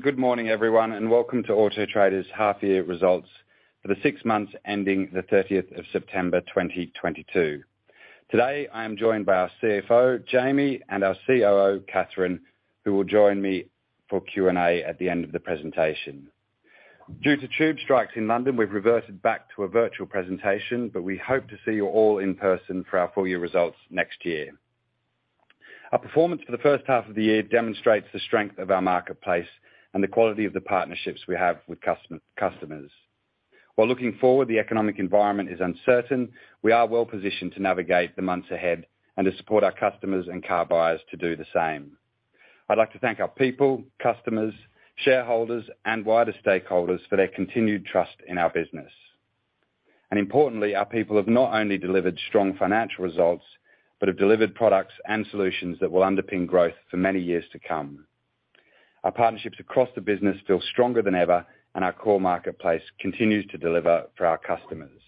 Good morning, everyone, and welcome to Auto Trader's half year results for the six months ending the 30th of September 2022. Today, I am joined by our CFO, Jamie, and our COO, Catherine, who will join me for Q&A at the end of the presentation. Due to tube strikes in London, we've reverted back to a virtual presentation, but we hope to see you all in person for our full year results next year. Our performance for the first half of the year demonstrates the strength of our marketplace and the quality of the partnerships we have with customers. While looking forward, the economic environment is uncertain, we are well-positioned to navigate the months ahead and to support our customers and car buyers to do the same. I'd like to thank our people, customers, shareholders, and wider stakeholders for their continued trust in our business. Importantly, our people have not only delivered strong financial results, but have delivered products and solutions that will underpin growth for many years to come. Our partnerships across the business feel stronger than ever, and our core marketplace continues to deliver for our customers.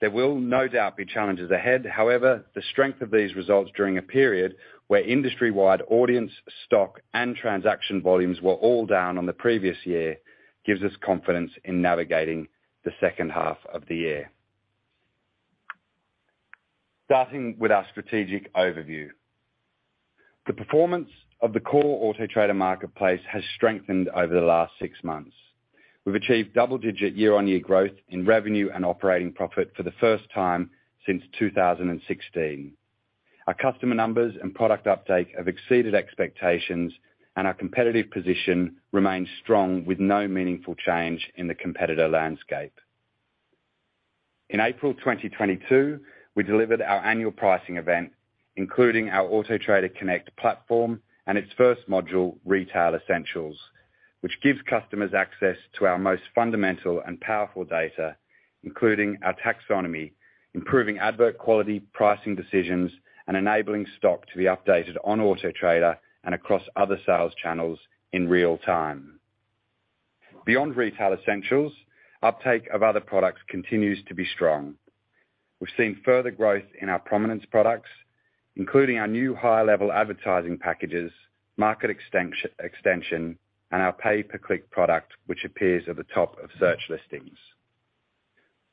There will no doubt be challenges ahead. However, the strength of these results during a period where industry-wide audience stock and transaction volumes were all down on the previous year, gives us confidence in navigating the second half of the year. Starting with our strategic overview. The performance of the core Auto Trader marketplace has strengthened over the last six months. We've achieved double-digit year-on-year growth in revenue and operating profit for the first time since 2016. Our customer numbers and product uptake have exceeded expectations, and our competitive position remains strong with no meaningful change in the competitor landscape. In April 2022, we delivered our annual pricing event, including our Auto Trader Connect platform and its first module, Retail Essentials, which gives customers access to our most fundamental and powerful data, including our taxonomy, improving advert quality, pricing decisions, and enabling stock to be updated on Auto Trader and across other sales channels in real time. Beyond Retail Essentials, uptake of other products continues to be strong. We've seen further growth in our prominence products, including our new high-level advertising packages, Market Extension, and our pay-per-click product, which appears at the top of search listings.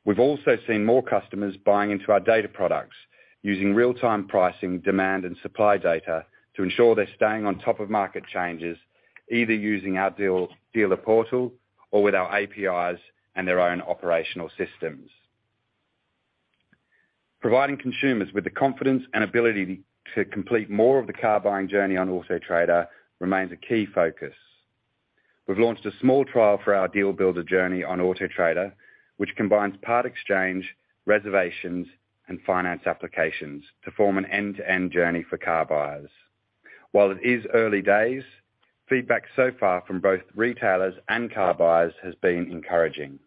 We've also seen more customers buying into our data products using real-time pricing, demand, and supply data to ensure they're staying on top of market changes, either using our Dealer Portal or with our APIs and their own operational systems. Providing consumers with the confidence and ability to complete more of the car buying journey on Auto Trader remains a key focus. We've launched a small trial for our Deal Builder journey on Auto Trader, which combines part exchange, reservations, and finance applications to form an end-to-end journey for car buyers. While it is early days, feedback so far from both retailers and car buyers has been encouraging.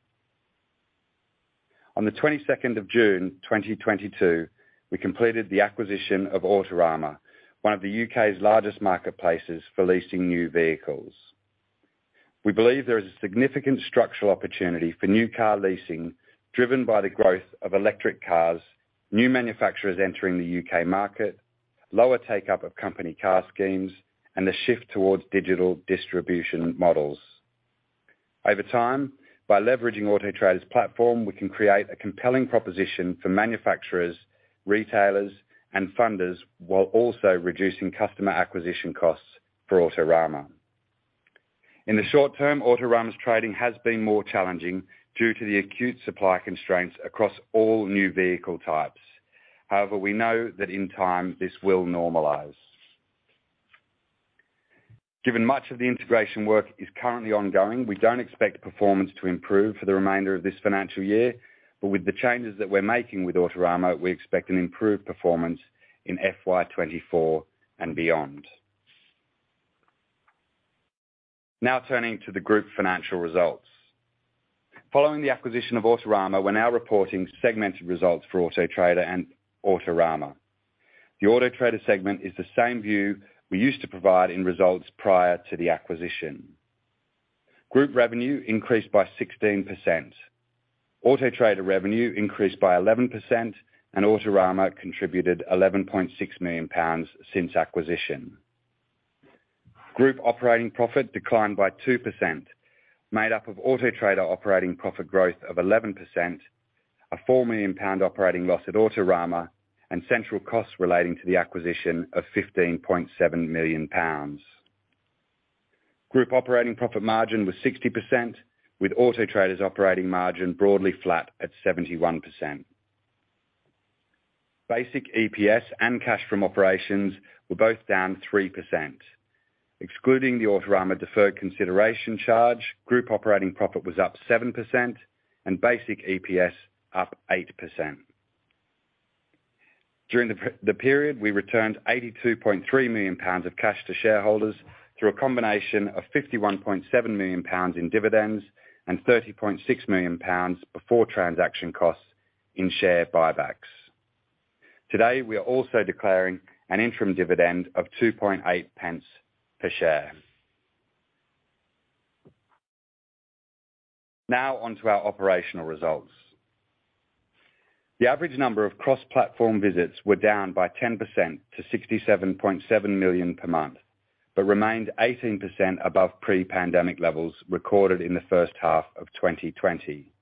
On the 22nd of June, 2022, we completed the acquisition of Autorama, one of the U.K.'s largest marketplaces for leasing new vehicles. We believe there is a significant structural opportunity for new car leasing driven by the growth of electric cars, new manufacturers entering the U.K. market, lower take-up of company car schemes, and the shift towards digital distribution models. Over time, by leveraging Auto Trader's platform, we can create a compelling proposition for manufacturers, retailers, and funders, while also reducing customer acquisition costs for Autorama. In the short term, Autorama's trading has been more challenging due to the acute supply constraints across all new vehicle types. However, we know that in time, this will normalize. Given much of the integration work is currently ongoing, we don't expect performance to improve for the remainder of this financial year. With the changes that we're making with Autorama, we expect an improved performance in FY 2024 and beyond. Now turning to the group financial results. Following the acquisition of Autorama, we're now reporting segmented results for Auto Trader and Autorama. The Auto Trader segment is the same view we used to provide in results prior to the acquisition. Group revenue increased by 16%. Auto Trader revenue increased by 11%, and Autorama contributed 11.6 million pounds since acquisition. Group operating profit declined by 2%, made up of Auto Trader operating profit growth of 11%, a 4 million pounds operating loss at Autorama, and central costs relating to the acquisition of 15.7 million pounds. Group operating profit margin was 60%, with Auto Trader's operating margin broadly flat at 71%. Basic EPS and cash from operations were both down 3%. Excluding the Autorama deferred consideration charge, group operating profit was up 7% and basic EPS up 8%. During the period, we returned 82.3 million pounds of cash to shareholders through a combination of 51.7 million pounds in dividends and 30.6 million pounds before transaction costs in share buybacks. Today, we are also declaring an interim dividend of 0.028 per share. Now on to our operational results. The average number of cross-platform visits were down by 10% to 67.7 million per month, but remained 18% above pre-pandemic levels recorded in the first half of 2020.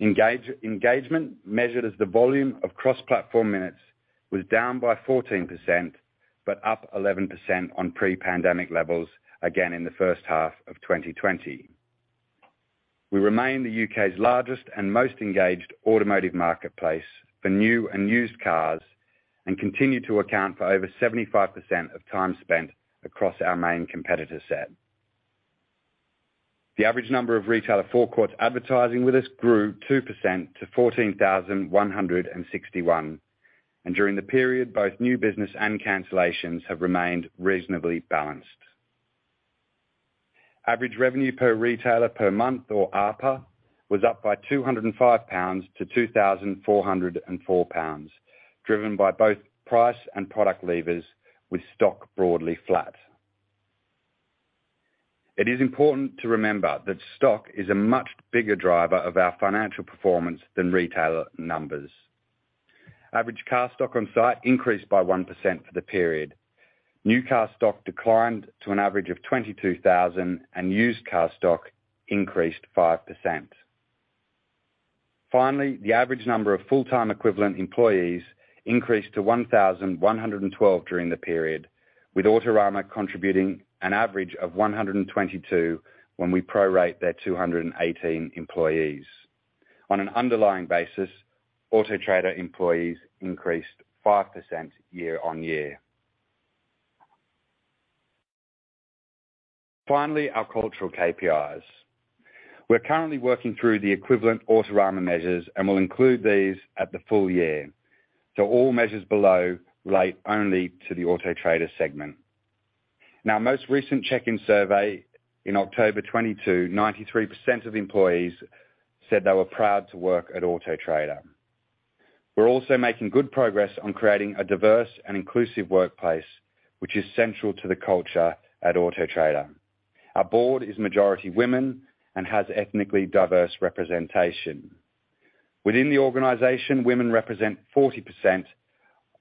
Engagement, measured as the volume of cross-platform minutes, was down by 14%, but up 11% on pre-pandemic levels, again in the first half of 2020. We remain the U.K.'s largest and most engaged automotive marketplace for new and used cars, and continue to account for over 75% of time spent across our main competitor set. The average number of retailer forecourts advertising with us grew 2% to 14,161, and during the period, both new business and cancellations have remained reasonably balanced. Average revenue per retailer per month or ARPA was up by 205 pounds to 2,404 pounds, driven by both price and product levers, with stock broadly flat. It is important to remember that stock is a much bigger driver of our financial performance than retailer numbers. Average car stock on site increased by 1% for the period. New car stock declined to an average of 22,000, and used car stock increased 5%. Finally, the average number of full-time equivalent employees increased to 1,112 during the period, with Autorama contributing an average of 122 when we pro-rate their 218 employees. On an underlying basis, Auto Trader employees increased 5% year-on-year. Finally, our cultural KPIs. We're currently working through the equivalent Autorama measures and will include these at the full year. All measures below relate only to the Auto Trader segment. In our most recent check-in survey in October 2022, 93% of employees said they were proud to work at Auto Trader. We're also making good progress on creating a diverse and inclusive workplace, which is central to the culture at Auto Trader. Our board is majority women and has ethnically diverse representation. Within the organization, women represent 40%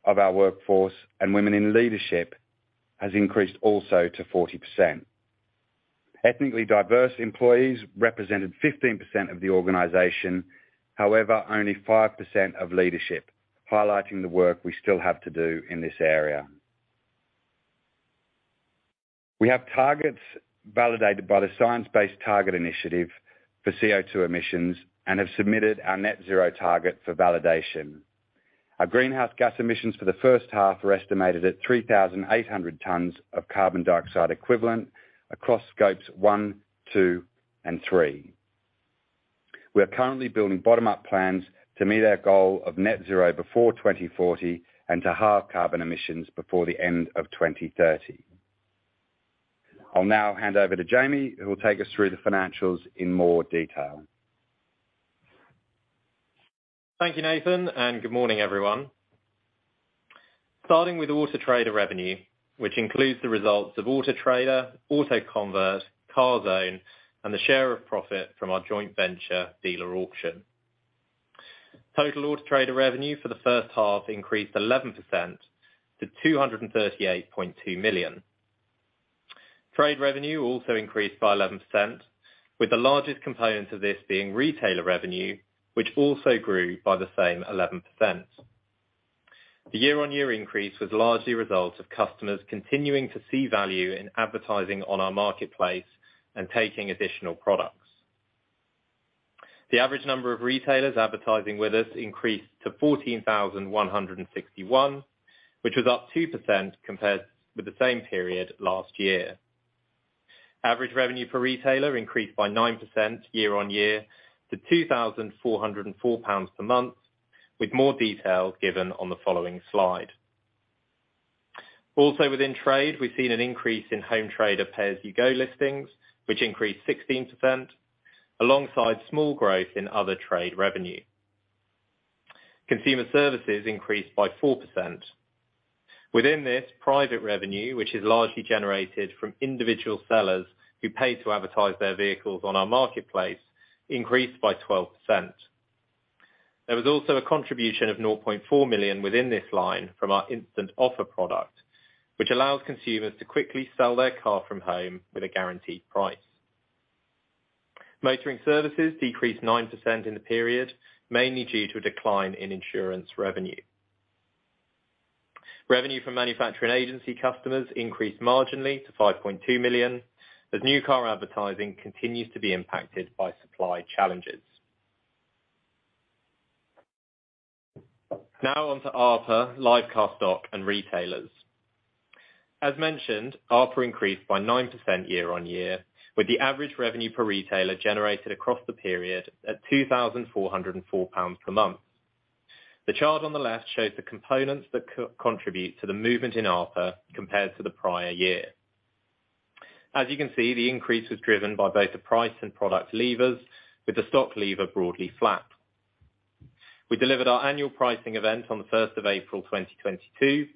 of our workforce and women in leadership has increased also to 40%. Ethnically diverse employees represented 15% of the organization, however, only 5% of leadership, highlighting the work we still have to do in this area. We have targets validated by the Science Based Targets initiative for CO2 emissions and have submitted our net zero target for validation. Our greenhouse gas emissions for the first half are estimated at 3,800 tons of carbon dioxide equivalent across scopes one, two, and three. We are currently building bottom-up plans to meet our goal of net zero before 2040 and to halve carbon emissions before the end of 2030. I'll now hand over to Jamie, who will take us through the financials in more detail. Thank you, Nathan, and good morning, everyone. Starting with Auto Trader revenue, which includes the results of Auto Trader, AutoConvert, Carzone, and the share of profit from our joint venture Dealer Auction. Total Auto Trader revenue for the first half increased 11% to 238.2 million. Trader revenue also increased by 11%, with the largest component of this being retailer revenue, which also grew by the same 11%. The year-on-year increase was largely a result of customers continuing to see value in advertising on our marketplace and taking additional products. The average number of retailers advertising with us increased to 14,161, which was up 2% compared with the same period last year. Average revenue per retailer increased by 9% year-over-year to 2,404 pounds per month, with more details given on the following slide. Also within trade, we've seen an increase in Home Trader Pay As You Go listings, which increased 16% alongside small growth in other trade revenue. Consumer services increased by 4%. Within this, private revenue, which is largely generated from individual sellers who pay to advertise their vehicles on our marketplace, increased by 12%. There was also a contribution of 0.4 million within this line from our Instant Offer product, which allows consumers to quickly sell their car from home with a guaranteed price. Motoring services decreased 9% in the period, mainly due to a decline in insurance revenue. Revenue from manufacturing agency customers increased marginally to 5.2 million, as new car advertising continues to be impacted by supply challenges. Now on to ARPA, live car stock and retailers. As mentioned, ARPA increased by 9% year-on-year, with the average revenue per retailer generated across the period at 2,404 pounds per month. The chart on the left shows the components that co-contribute to the movement in ARPA compared to the prior year. As you can see, the increase was driven by both the price and product levers, with the stock lever broadly flat. We delivered our annual pricing event on the 1st of April 2022,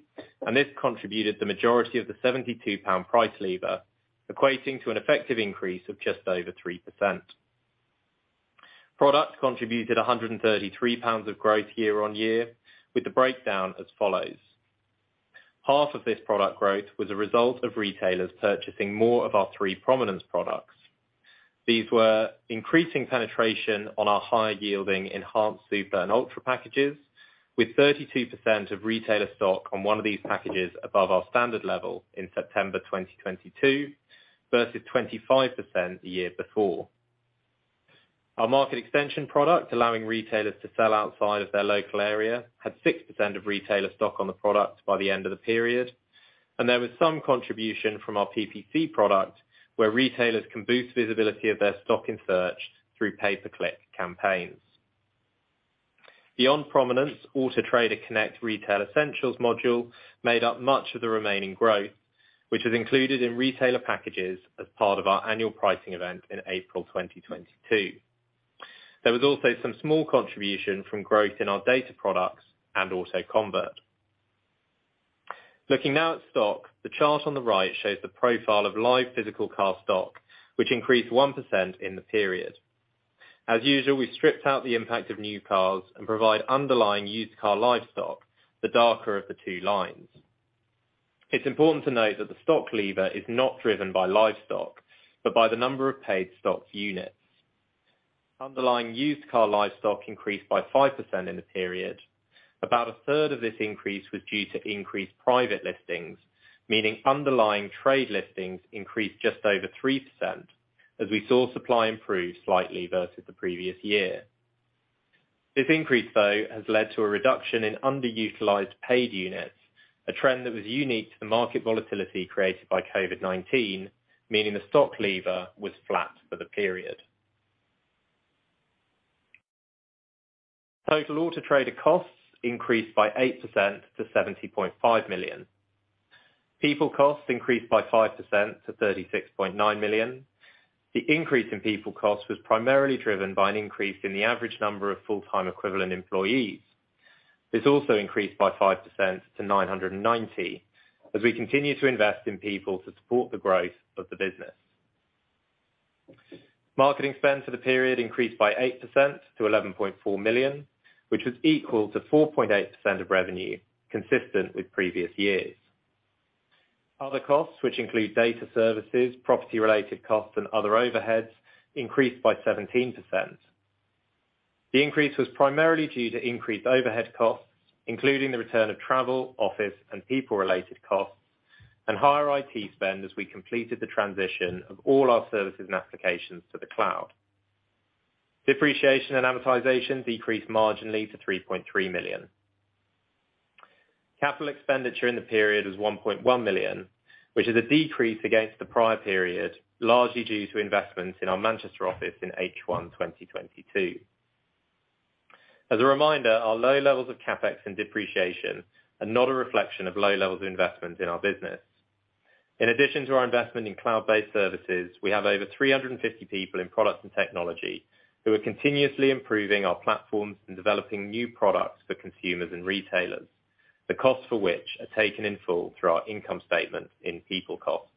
and this contributed the majority of the 72 pound price lever, equating to an effective increase of just over 3%. Products contributed 133 pounds of growth year on year, with the breakdown as follows. Half of this product growth was a result of retailers purchasing more of our three prominence products. These were increasing penetration on our higher yielding Enhanced, Super, and Ultra packages, with 32% of retailer stock on one of these packages above our standard level in September 2022 versus 25% the year before. Our Market Extension product, allowing retailers to sell outside of their local area, had 6% of retailer stock on the product by the end of the period, and there was some contribution from our PPC product, where retailers can boost visibility of their stock in search through pay-per-click campaigns. Beyond prominence, Auto Trader Connect Retail Essentials module made up much of the remaining growth, which is included in retailer packages as part of our annual pricing event in April 2022. There was also some small contribution from growth in our data products and AutoConvert. Looking now at stock, the chart on the right shows the profile of live physical car stock, which increased 1% in the period. As usual, we stripped out the impact of new cars and provide underlying used car live stock, the darker of the two lines. It's important to note that the stock lever is not driven by live stock, but by the number of paid stock units. Underlying used car live stock increased by 5% in the period. About a third of this increase was due to increased private listings, meaning underlying trade listings increased just over 3% as we saw supply improve slightly versus the previous year. This increase, though, has led to a reduction in underutilized paid units, a trend that was unique to the market volatility created by COVID-19, meaning the stock level was flat for the period. Total Auto Trader costs increased by 8% to 70.5 million. People costs increased by 5% to 36.9 million. The increase in people cost was primarily driven by an increase in the average number of full-time equivalent employees. This also increased by 5% to 990 as we continue to invest in people to support the growth of the business. Marketing spend for the period increased by 8% to 11.4 million, which was equal to 4.8% of revenue, consistent with previous years. Other costs, which include data services, property-related costs, and other overheads, increased by 17%. The increase was primarily due to increased overhead costs, including the return of travel, office, and people-related costs and higher IT spend as we completed the transition of all our services and applications to the cloud. Depreciation and amortization decreased marginally to 3.3 million. Capital expenditure in the period was 1.1 million, which is a decrease against the prior period, largely due to investments in our Manchester office in H1 2022. Our low levels of CapEx and depreciation are not a reflection of low levels of investment in our business. In addition to our investment in cloud-based services, we have over 350 people in product and technology who are continuously improving our platforms and developing new products for consumers and retailers, the cost for which are taken in full through our income statement in people costs.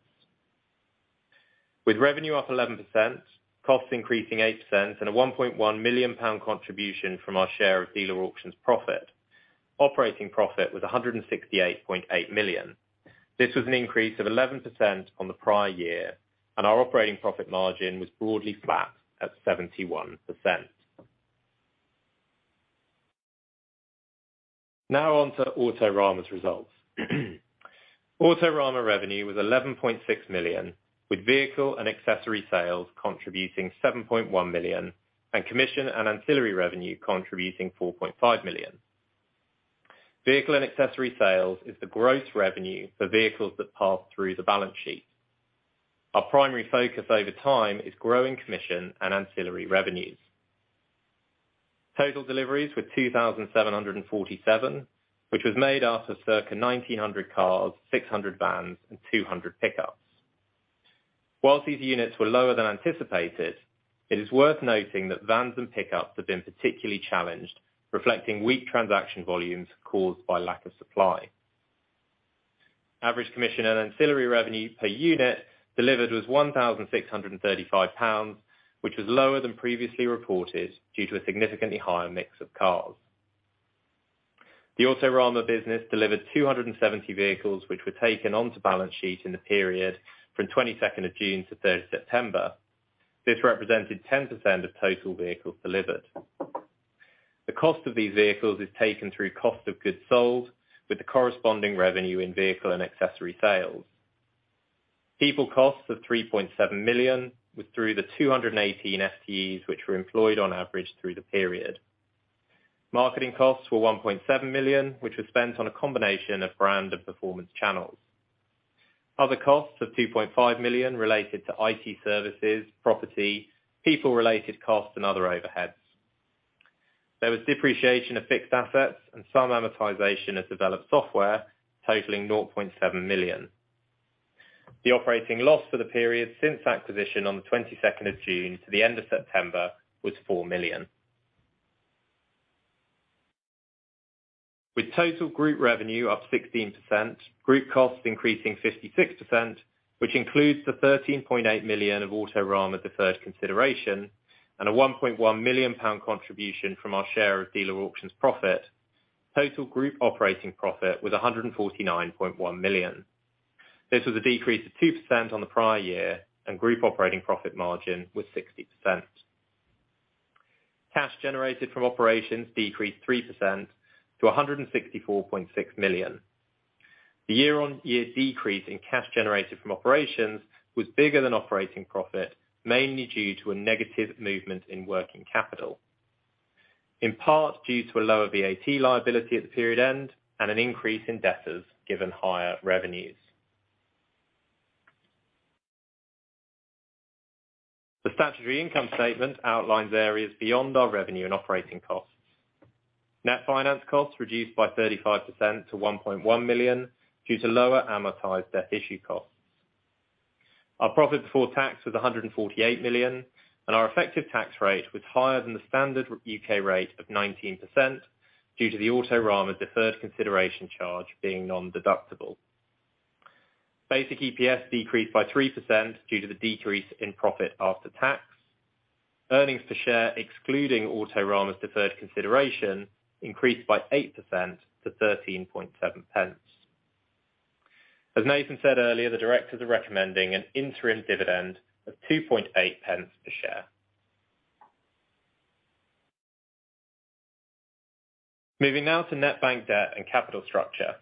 With revenue up 11%, costs increasing 8%, and a 1.1 million pound contribution from our share of Dealer Auction's profit, operating profit was 168.8 million. This was an increase of 11% on the prior year, and our operating profit margin was broadly flat at 71%. Now on to Autorama's results. Autorama revenue was 11.6 million, with vehicle and accessory sales contributing 7.1 million and commission and ancillary revenue contributing 4.5 million. Vehicle and accessory sales is the gross revenue for vehicles that pass through the balance sheet. Our primary focus over time is growing commission and ancillary revenues. Total deliveries were 2,747, which was made up of circa 1,900 cars, 600 vans, and 200 pickups. Whilst these units were lower than anticipated, it is worth noting that vans and pickups have been particularly challenged, reflecting weak transaction volumes caused by lack of supply. Average commission and ancillary revenue per unit delivered was 1,635 pounds, which was lower than previously reported due to a significantly higher mix of cars. The Autorama business delivered 270 vehicles, which were taken onto balance sheet in the period from 22nd of June to 30th of September. This represented 10% of total vehicles delivered. The cost of these vehicles is taken through cost of goods sold with the corresponding revenue in vehicle and accessory sales. People costs of 3.7 million was through the 218 FTEs, which were employed on average through the period. Marketing costs were 1.7 million, which was spent on a combination of brand and performance channels. Other costs of 2.5 million related to IT services, property, people-related costs and other overheads. There was depreciation of fixed assets and some amortization of developed software totaling 0.7 million. The operating loss for the period since acquisition on the 22nd of June to the end of September was 4 million. With total group revenue up 16%, group costs increasing 56%, which includes the 13.8 million of Autorama deferred consideration and a 1.1 million pound contribution from our share of Dealer Auction's profit, total group operating profit was 149.1 million. This was a decrease of 2% on the prior year, and group operating profit margin was 60%. Cash generated from operations decreased 3% to 164.6 million. The year-on-year decrease in cash generated from operations was bigger than operating profit, mainly due to a negative movement in working capital, in part due to a lower VAT liability at the period end and an increase in debtors given higher revenues. The statutory income statement outlines areas beyond our revenue and operating costs. Net finance costs reduced by 35% to 1.1 million due to lower amortized debt issue costs. Our profit before tax was 148 million, and our effective tax rate was higher than the standard U.K. rate of 19% due to the Autorama deferred consideration charge being nondeductible. Basic EPS decreased by 3% due to the decrease in profit after tax. Earnings per share, excluding Autorama's deferred consideration, increased by 8% to 0.137. As Nathan said earlier, the directors are recommending an interim dividend of 0.028 per share. Moving now to net bank debt and capital structure.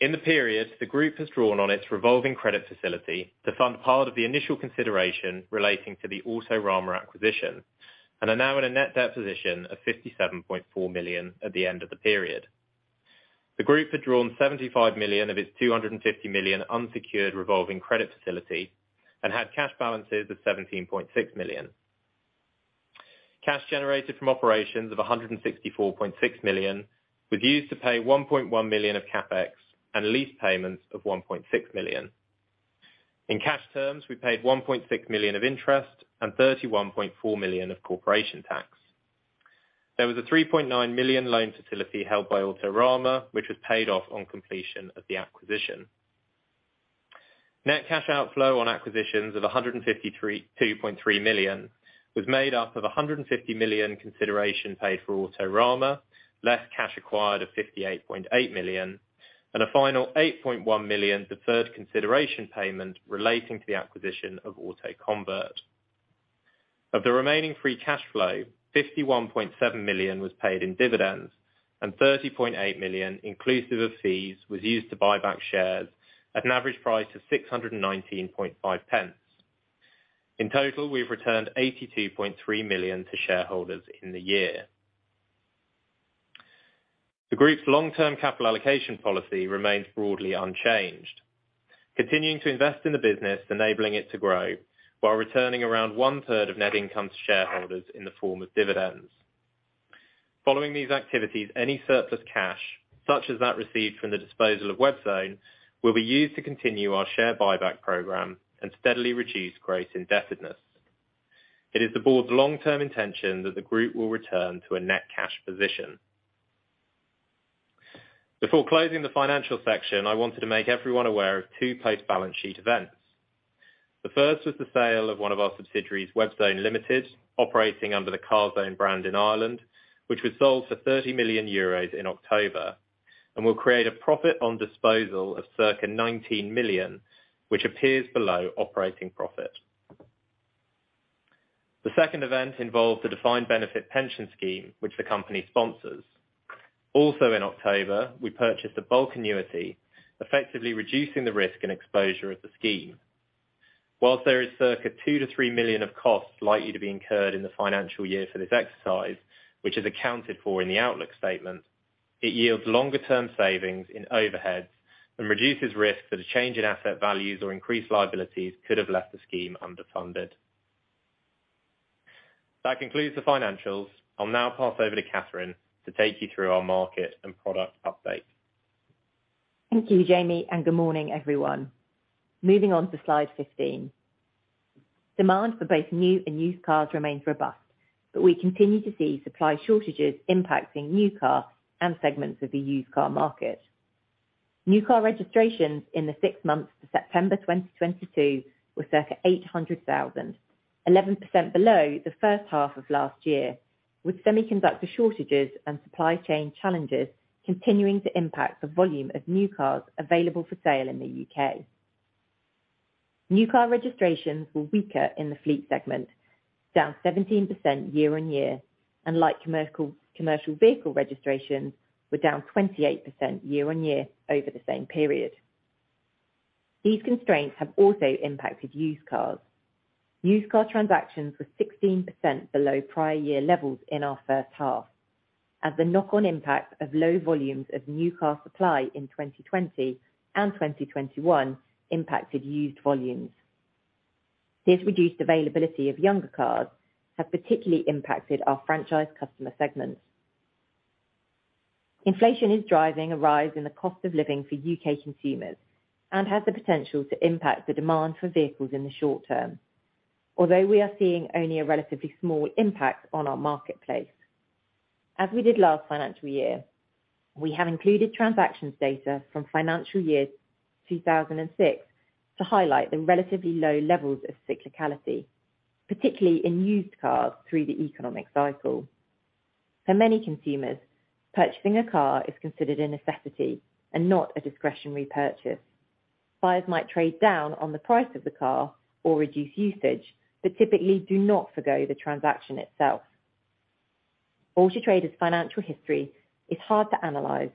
In the period, the group has drawn on its revolving credit facility to fund part of the initial consideration relating to the Autorama acquisition and are now in a net debt position of 57.4 million at the end of the period. The group had drawn 75 million of its 250 million unsecured revolving credit facility and had cash balances of 17.6 million. Cash generated from operations of 164.6 million was used to pay 1.1 million of CapEx and lease payments of 1.6 million. In cash terms, we paid 1.6 million of interest and 31.4 million of corporation tax. There was a 3.9 million loan facility held by Autorama, which was paid off on completion of the acquisition. Net cash outflow on acquisitions of 153.2 million was made up of 150 million consideration paid for Autorama, less cash acquired of 58.8 million and a final 8.1 million deferred consideration payment relating to the acquisition of AutoConvert. Of the remaining free cash flow, 51.7 million was paid in dividends and 30.8 million, inclusive of fees, was used to buy back shares at an average price of 6.195. In total, we've returned 82.3 million to shareholders in the year. The group's long-term capital allocation policy remains broadly unchanged, continuing to invest in the business, enabling it to grow while returning around 1/3 of net income to shareholders in the form of dividends. Following these activities, any surplus cash, such as that received from the disposal of Webzone, will be used to continue our share buyback program and steadily reduce gross indebtedness. It is the Board's long-term intention that the group will return to a net cash position. Before closing the financial section, I wanted to make everyone aware of two post-balance-sheet events. The first was the sale of one of our subsidiaries, Webzone Limited, operating under the Carzone brand in Ireland, which was sold for 30 million euros in October and will create a profit on disposal of circa 19 million, which appears below operating profit. The second event involved a defined benefit pension scheme which the company sponsors. Also in October, we purchased a bulk annuity, effectively reducing the risk and exposure of the scheme. While there is circa 2 million-3 million of costs likely to be incurred in the financial year for this exercise, which is accounted for in the outlook statement, it yields longer-term savings in overheads and reduces risk that a change in asset values or increased liabilities could have left the scheme underfunded. That concludes the financials. I'll now pass over to Catherine to take you through our market and product update. Thank you, Jamie, and good morning, everyone. Moving on to slide 15. Demand for both new and used cars remains robust, but we continue to see supply shortages impacting new cars and segments of the used car market. New car registrations in the six months to September 2022 were circa 800,000, 11% below the first half of last year, with semiconductor shortages and supply chain challenges continuing to impact the volume of new cars available for sale in the U.K. New car registrations were weaker in the fleet segment, down 17% year-on-year, and light commercial vehicle registrations were down 28% year-on-year over the same period. These constraints have also impacted used cars. Used car transactions were 16% below prior year levels in our first half, as the knock-on impact of low volumes of new car supply in 2020 and 2021 impacted used volumes. This reduced availability of younger cars has particularly impacted our franchise customer segments. Inflation is driving a rise in the cost of living for U.K. consumers and has the potential to impact the demand for vehicles in the short term. Although we are seeing only a relatively small impact on our marketplace. As we did last financial year, we have included transactions data from financial year 2006 to highlight the relatively low levels of cyclicality, particularly in used cars through the economic cycle. For many consumers, purchasing a car is considered a necessity and not a discretionary purchase. Buyers might trade down on the price of the car or reduce usage, but typically do not forgo the transaction itself. Auto Trader's financial history is hard to analyze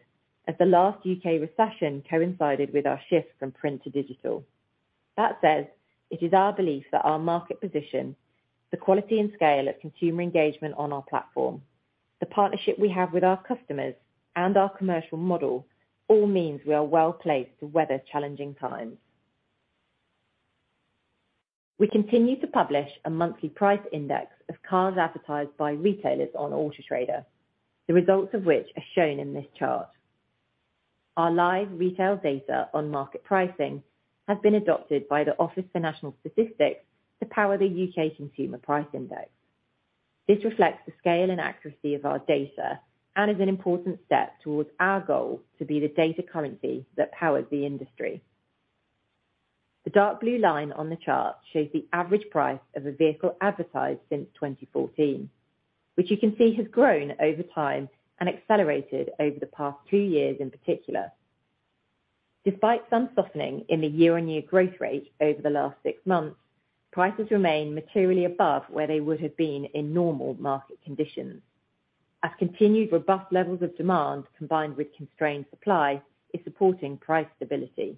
as the last U.K. recession coincided with our shift from print to digital. That said, it is our belief that our market position, the quality and scale of consumer engagement on our platform, the partnership we have with our customers and our commercial model all means we are well placed to weather challenging times. We continue to publish a monthly price index of cars advertised by retailers on Auto Trader, the results of which are shown in this chart. Our live retail data on market pricing has been adopted by the Office for National Statistics to power the U.K. Consumer Price Index. This reflects the scale and accuracy of our data and is an important step towards our goal to be the data currency that powers the industry. The dark blue line on the chart shows the average price of a vehicle advertised since 2014, which you can see has grown over time and accelerated over the past two years in particular. Despite some softening in the year-on-year growth rate over the last six months, prices remain materially above where they would have been in normal market conditions as continued robust levels of demand, combined with constrained supply, is supporting price stability.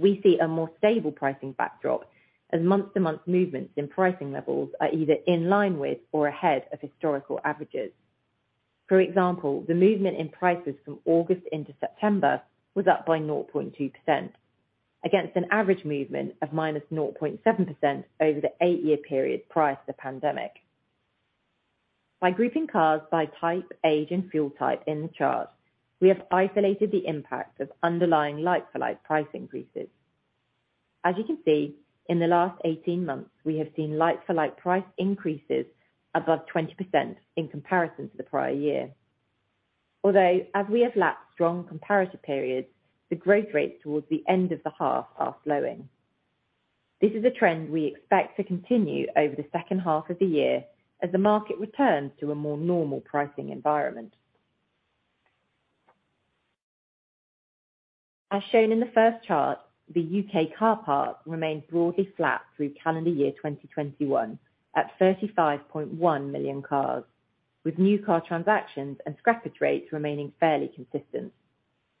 We see a more stable pricing backdrop as month-to-month movements in pricing levels are either in line with or ahead of historical averages. For example, the movement in prices from August into September was up by 0.2% against an average movement of -0.7% over the eight-year period prior to the pandemic. By grouping cars by type, age, and fuel type in the chart, we have isolated the impact of underlying like-for-like price increases. As you can see, in the last 18 months, we have seen like-for-like price increases above 20% in comparison to the prior year. Although, as we have lapped strong comparative periods, the growth rate towards the end of the half are slowing. This is a trend we expect to continue over the second half of the year as the market returns to a more normal pricing environment. As shown in the first chart, the U.K. car park remained broadly flat through calendar year 2021 at 35.1 million cars, with new car transactions and scrappage rates remaining fairly consistent.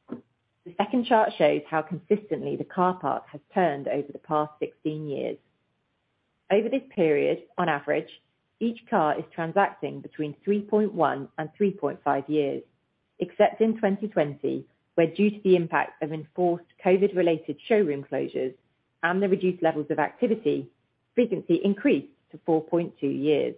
The second chart shows how consistently the car park has turned over the past 16 years. Over this period, on average, each car is transacting between three point one and three point five years, except in 2020, where due to the impact of enforced COVID-related showroom closures and the reduced levels of activity, frequency increased to four point two years.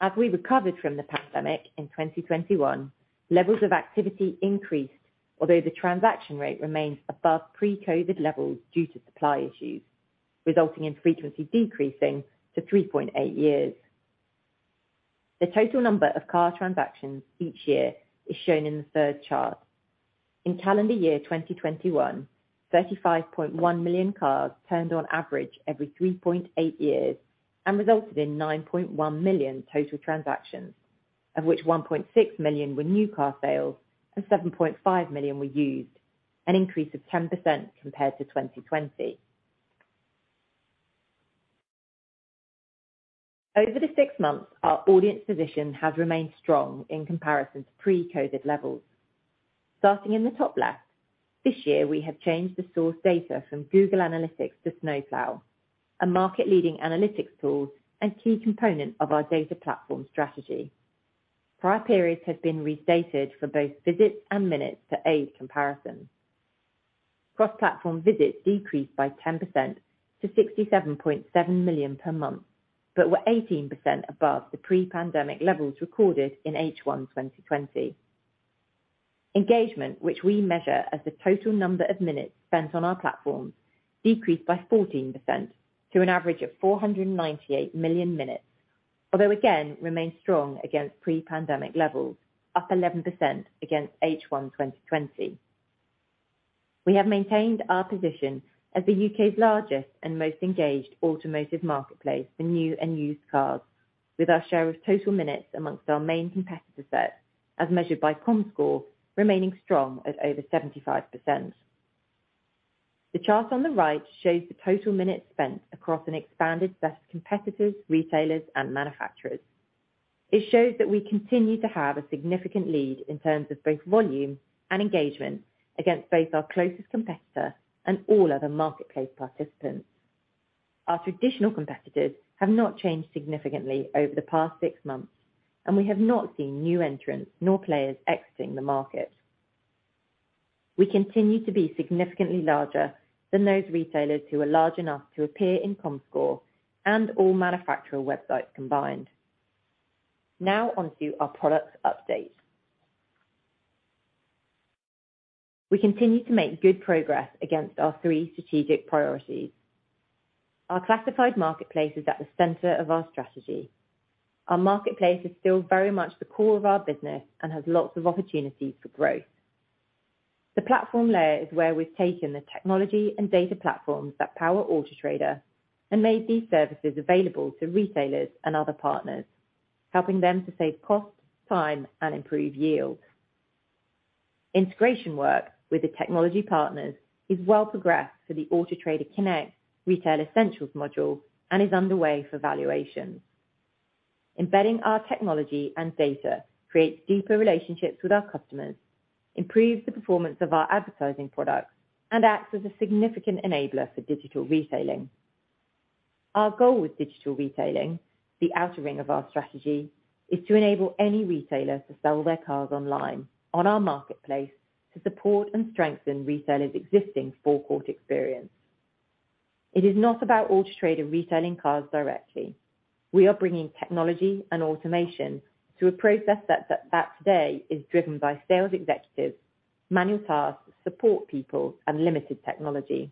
As we recovered from the pandemic in 2021, levels of activity increased, although the transaction rate remains above pre-COVID levels due to supply issues, resulting in frequency decreasing to three point eight years. The total number of car transactions each year is shown in the third chart. In calendar year 2021, 35.1 million cars turned on average every three point eight years and resulted in 9.1 million total transactions, of which 1.6 million were new car sales and 7.5 million were used, an increase of 10% compared to 2020. Over the six months, our audience position has remained strong in comparison to pre-Covid levels. Starting in the top left, this year we have changed the source data from Google Analytics to Snowplow, a market leading analytics tool and key component of our data platform strategy. Prior periods have been restated for both visits and minutes to aid comparison. Cross-platform visits decreased by 10% to 67.7 million per month, but were 18% above the pre-pandemic levels recorded in H1 2020. Engagement, which we measure as the total number of minutes spent on our platforms, decreased by 14% to an average of 498 million minutes. Although again remained strong against pre-pandemic levels, up 11% against H1 2020. We have maintained our position as the U.K.'s largest and most engaged automotive marketplace for new and used cars with our share of total minutes amongst our main competitor set, as measured by Comscore, remaining strong at over 75%. The chart on the right shows the total minutes spent across an expanded set of competitors, retailers, and manufacturers. It shows that we continue to have a significant lead in terms of both volume and engagement against both our closest competitor and all other marketplace participants. Our traditional competitors have not changed significantly over the past six months, and we have not seen new entrants nor players exiting the market. We continue to be significantly larger than those retailers who are large enough to appear in Comscore and all manufacturer websites combined. Now onto our product update. We continue to make good progress against our three strategic priorities. Our classified marketplace is at the center of our strategy. Our marketplace is still very much the core of our business and has lots of opportunities for growth. The platform layer is where we've taken the technology and data platforms that power Auto Trader and made these services available to retailers and other partners, helping them to save costs, time, and improve yield. Integration work with the technology partners is well progressed for the Auto Trader Connect Retail Essentials module and is underway for Valuations. Embedding our technology and data creates deeper relationships with our customers, improves the performance of our advertising products, and acts as a significant enabler for digital retailing. Our goal with digital retailing, the outer ring of our strategy, is to enable any retailer to sell their cars online on our marketplace to support and strengthen retailers' existing forecourt experience. It is not about Auto Trader retailing cars directly. We are bringing technology and automation to a process that today is driven by sales executives, manual tasks, support people, and limited technology.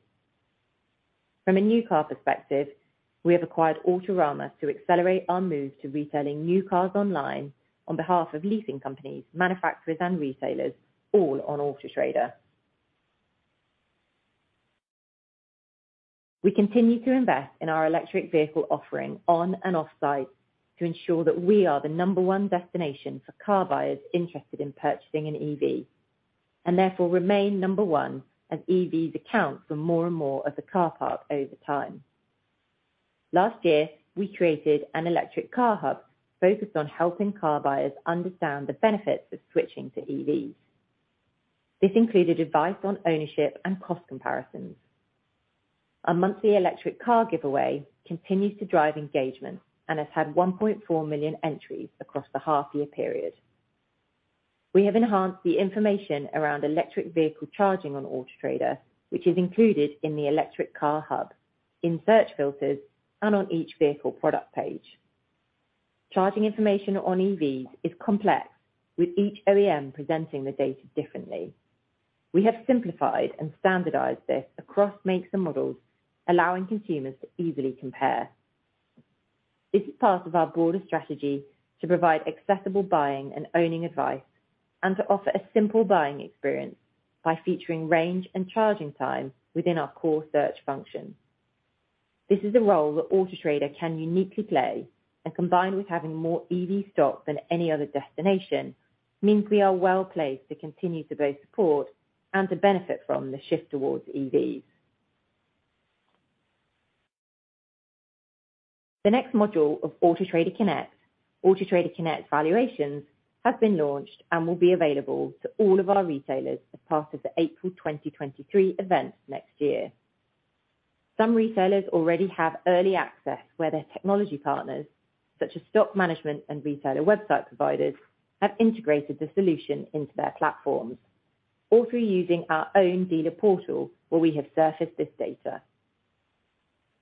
From a new car perspective, we have acquired Autorama to accelerate our move to retailing new cars online on behalf of leasing companies, manufacturers and retailers, all on Auto Trader. We continue to invest in our electric vehicle offering on and off-site to ensure that we are the number one destination for car buyers interested in purchasing an EV, and therefore remain number one as EVs account for more and more of the car park over time. Last year, we created an Electric Car Hub focused on helping car buyers understand the benefits of switching to EVs. This included advice on ownership and cost comparisons. Our monthly electric car giveaway continues to drive engagement and has had 1.4 million entries across the half year period. We have enhanced the information around electric vehicle charging on Auto Trader, which is included in the Electric Car Hub, in search filters, and on each vehicle product page. Charging information on EVs is complex, with each OEM presenting the data differently. We have simplified and standardized this across makes and models, allowing consumers to easily compare. This is part of our broader strategy to provide accessible buying and owning advice and to offer a simple buying experience by featuring range and charging time within our core search function. This is a role that Auto Trader can uniquely play, and combined with having more EV stock than any other destination, means we are well placed to continue to both support and to benefit from the shift towards EVs. The next module of Auto Trader Connect, Auto Trader Connect Valuations, has been launched and will be available to all of our retailers as part of the April 2023 event next year. Some retailers already have early access where their technology partners, such as stock management and retailer website providers, have integrated the solution into their platforms, or through using our own Dealer Portal, where we have surfaced this data.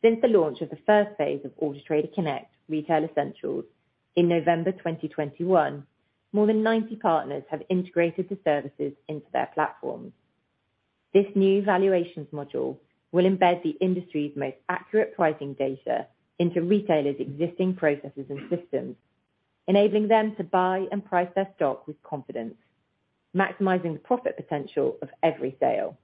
Since the launch of the first phase of Auto Trader Connect Retail Essentials in November 2021, more than 90 partners have integrated the services into their platforms. This new valuations module will embed the industry's most accurate pricing data into retailers' existing processes and systems, enabling them to buy and price their stock with confidence, maximizing the profit potential of every sale.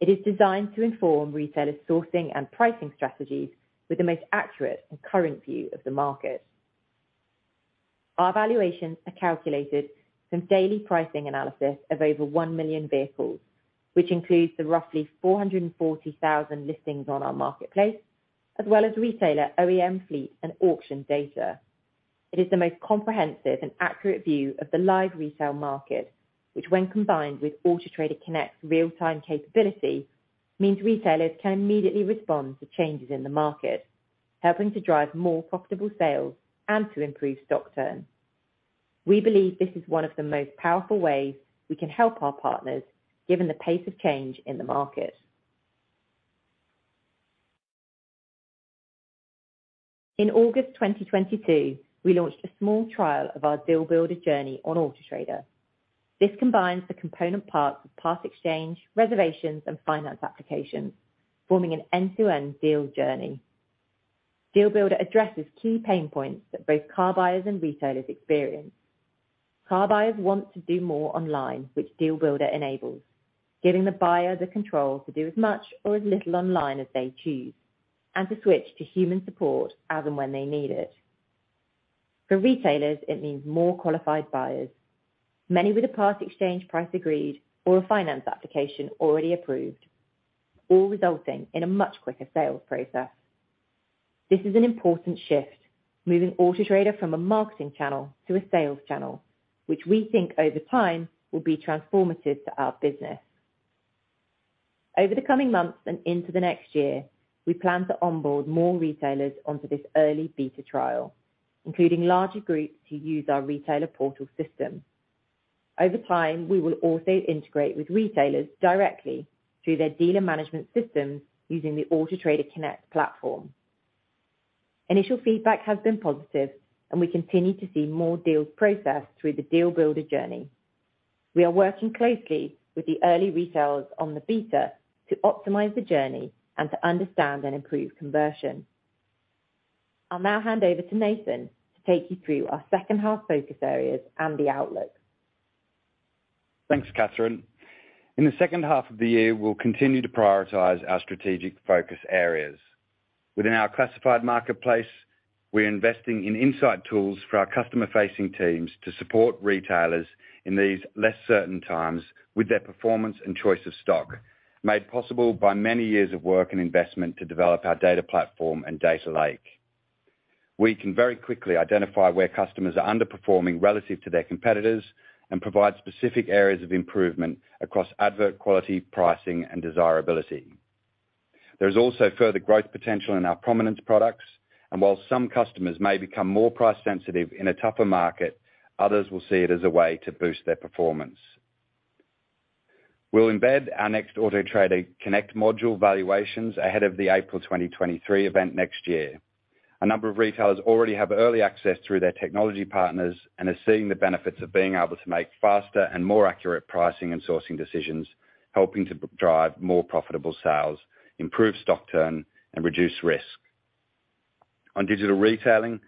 It is designed to inform retailers' sourcing and pricing strategies with the most accurate and current view of the market. Our valuations are calculated from daily pricing analysis of over 1 million vehicles, which includes the roughly 440,000 listings on our marketplace, as well as retailer OEM fleet and auction data. It is the most comprehensive and accurate view of the live resale market, which when combined with Auto Trader Connect's real-time capability, means retailers can immediately respond to changes in the market, helping to drive more profitable sales and to improve stock turn. We believe this is one of the most powerful ways we can help our partners, given the pace of change in the market. In August 2022, we launched a small trial of our Deal Builder journey on Auto Trader. This combines the component parts of parts exchange, reservations, and finance applications, forming an end-to-end deal journey. Deal Builder addresses key pain points that both car buyers and retailers experience. Car buyers want to do more online, which Deal Builder enables, giving the buyer the control to do as much or as little online as they choose, and to switch to human support as and when they need it. For retailers, it means more qualified buyers, many with a parts exchange price agreed or a finance application already approved, all resulting in a much quicker sales process. This is an important shift, moving Auto Trader from a marketing channel to a sales channel, which we think over time will be transformative to our business. Over the coming months and into the next year, we plan to onboard more retailers onto this early beta trial, including larger groups who use our retailer portal system. Over time, we will also integrate with retailers directly through their dealer management systems using the Auto Trader Connect platform. Initial feedback has been positive and we continue to see more deals processed through the Deal Builder journey. We are working closely with the early retailers on the beta to optimize the journey and to understand and improve conversion. I'll now hand over to Nathan to take you through our second half focus areas and the outlook. Thanks, Catherine. In the second half of the year, we'll continue to prioritize our strategic focus areas. Within our classified marketplace, we're investing in insight tools for our customer-facing teams to support retailers in these less certain times with their performance and choice of stock, made possible by many years of work and investment to develop our data platform and data lake. We can very quickly identify where customers are underperforming relative to their competitors and provide specific areas of improvement across advert quality, pricing, and desirability. There is also further growth potential in our prominence products, and while some customers may become more price sensitive in a tougher market, others will see it as a way to boost their performance. We'll embed our next Auto Trader Connect module Valuations ahead of the April 2023 event next year. A number of retailers already have early access through their technology partners and are seeing the benefits of being able to make faster and more accurate pricing and sourcing decisions, helping to drive more profitable sales, improve stock turn, and reduce risk. On digital retailing,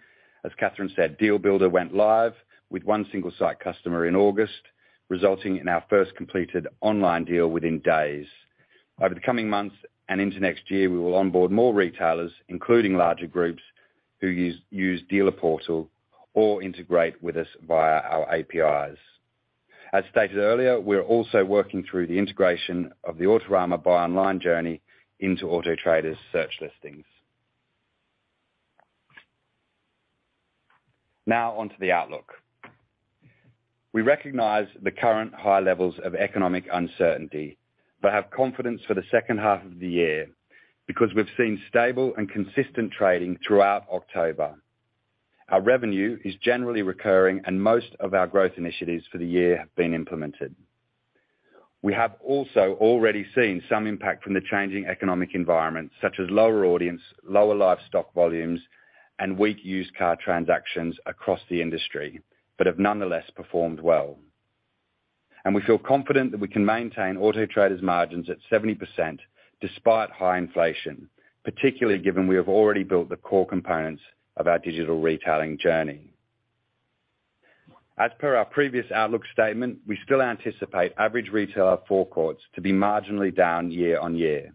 as Catherine said, Deal Builder went live with one single site customer in August, resulting in our first completed online deal within days. Over the coming months and into next year, we will onboard more retailers, including larger groups who use Dealer Portal or integrate with us via our APIs. As stated earlier, we're also working through the integration of the Autorama buy online journey into Auto Trader's search listings. Now on to the outlook. We recognize the current high levels of economic uncertainty, but have confidence for the second half of the year because we've seen stable and consistent trading throughout October. Our revenue is generally recurring, and most of our growth initiatives for the year have been implemented. We have also already seen some impact from the changing economic environment, such as lower audience, lower live stock volumes, and weak used car transactions across the industry, but have nonetheless performed well. We feel confident that we can maintain Auto Trader's margins at 70% despite high inflation, particularly given we have already built the core components of our digital retailing journey. As per our previous outlook statement, we still anticipate average retailer forecourts to be marginally down year-over-year.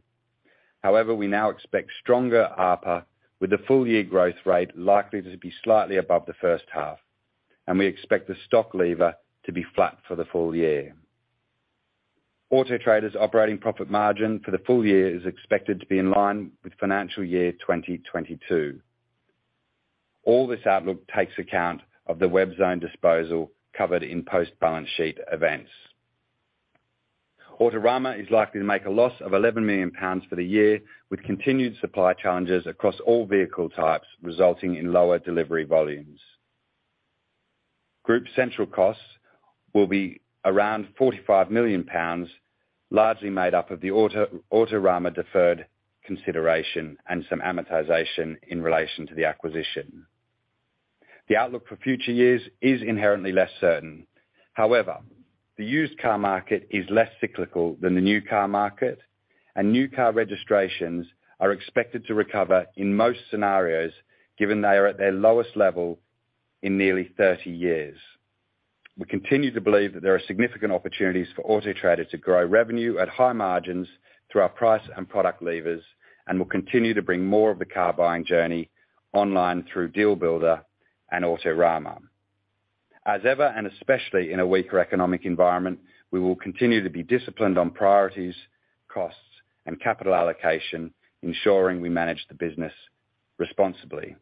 However, we now expect stronger ARPA with the full year growth rate likely to be slightly above the first half, and we expect the stock level to be flat for the full year. Auto Trader's operating profit margin for the full year is expected to be in line with financial year 2022. All this outlook takes account of the Webzone disposal covered in post-balance sheet events. Autorama is likely to make a loss of 11 million pounds for the year, with continued supply challenges across all vehicle types, resulting in lower delivery volumes. Group central costs will be around 45 million pounds, largely made up of the Autorama deferred consideration and some amortization in relation to the acquisition. The outlook for future years is inherently less certain. However, the used car market is less cyclical than the new car market, and new car registrations are expected to recover in most scenarios, given they are at their lowest level in nearly 30 years. We continue to believe that there are significant opportunities for Auto Trader to grow revenue at high margins through our price and product levers, and we'll continue to bring more of the car buying journey online through Deal Builder and Autorama. As ever, and especially in a weaker economic environment, we will continue to be disciplined on priorities, costs, and capital allocation, ensuring we manage the business responsibly.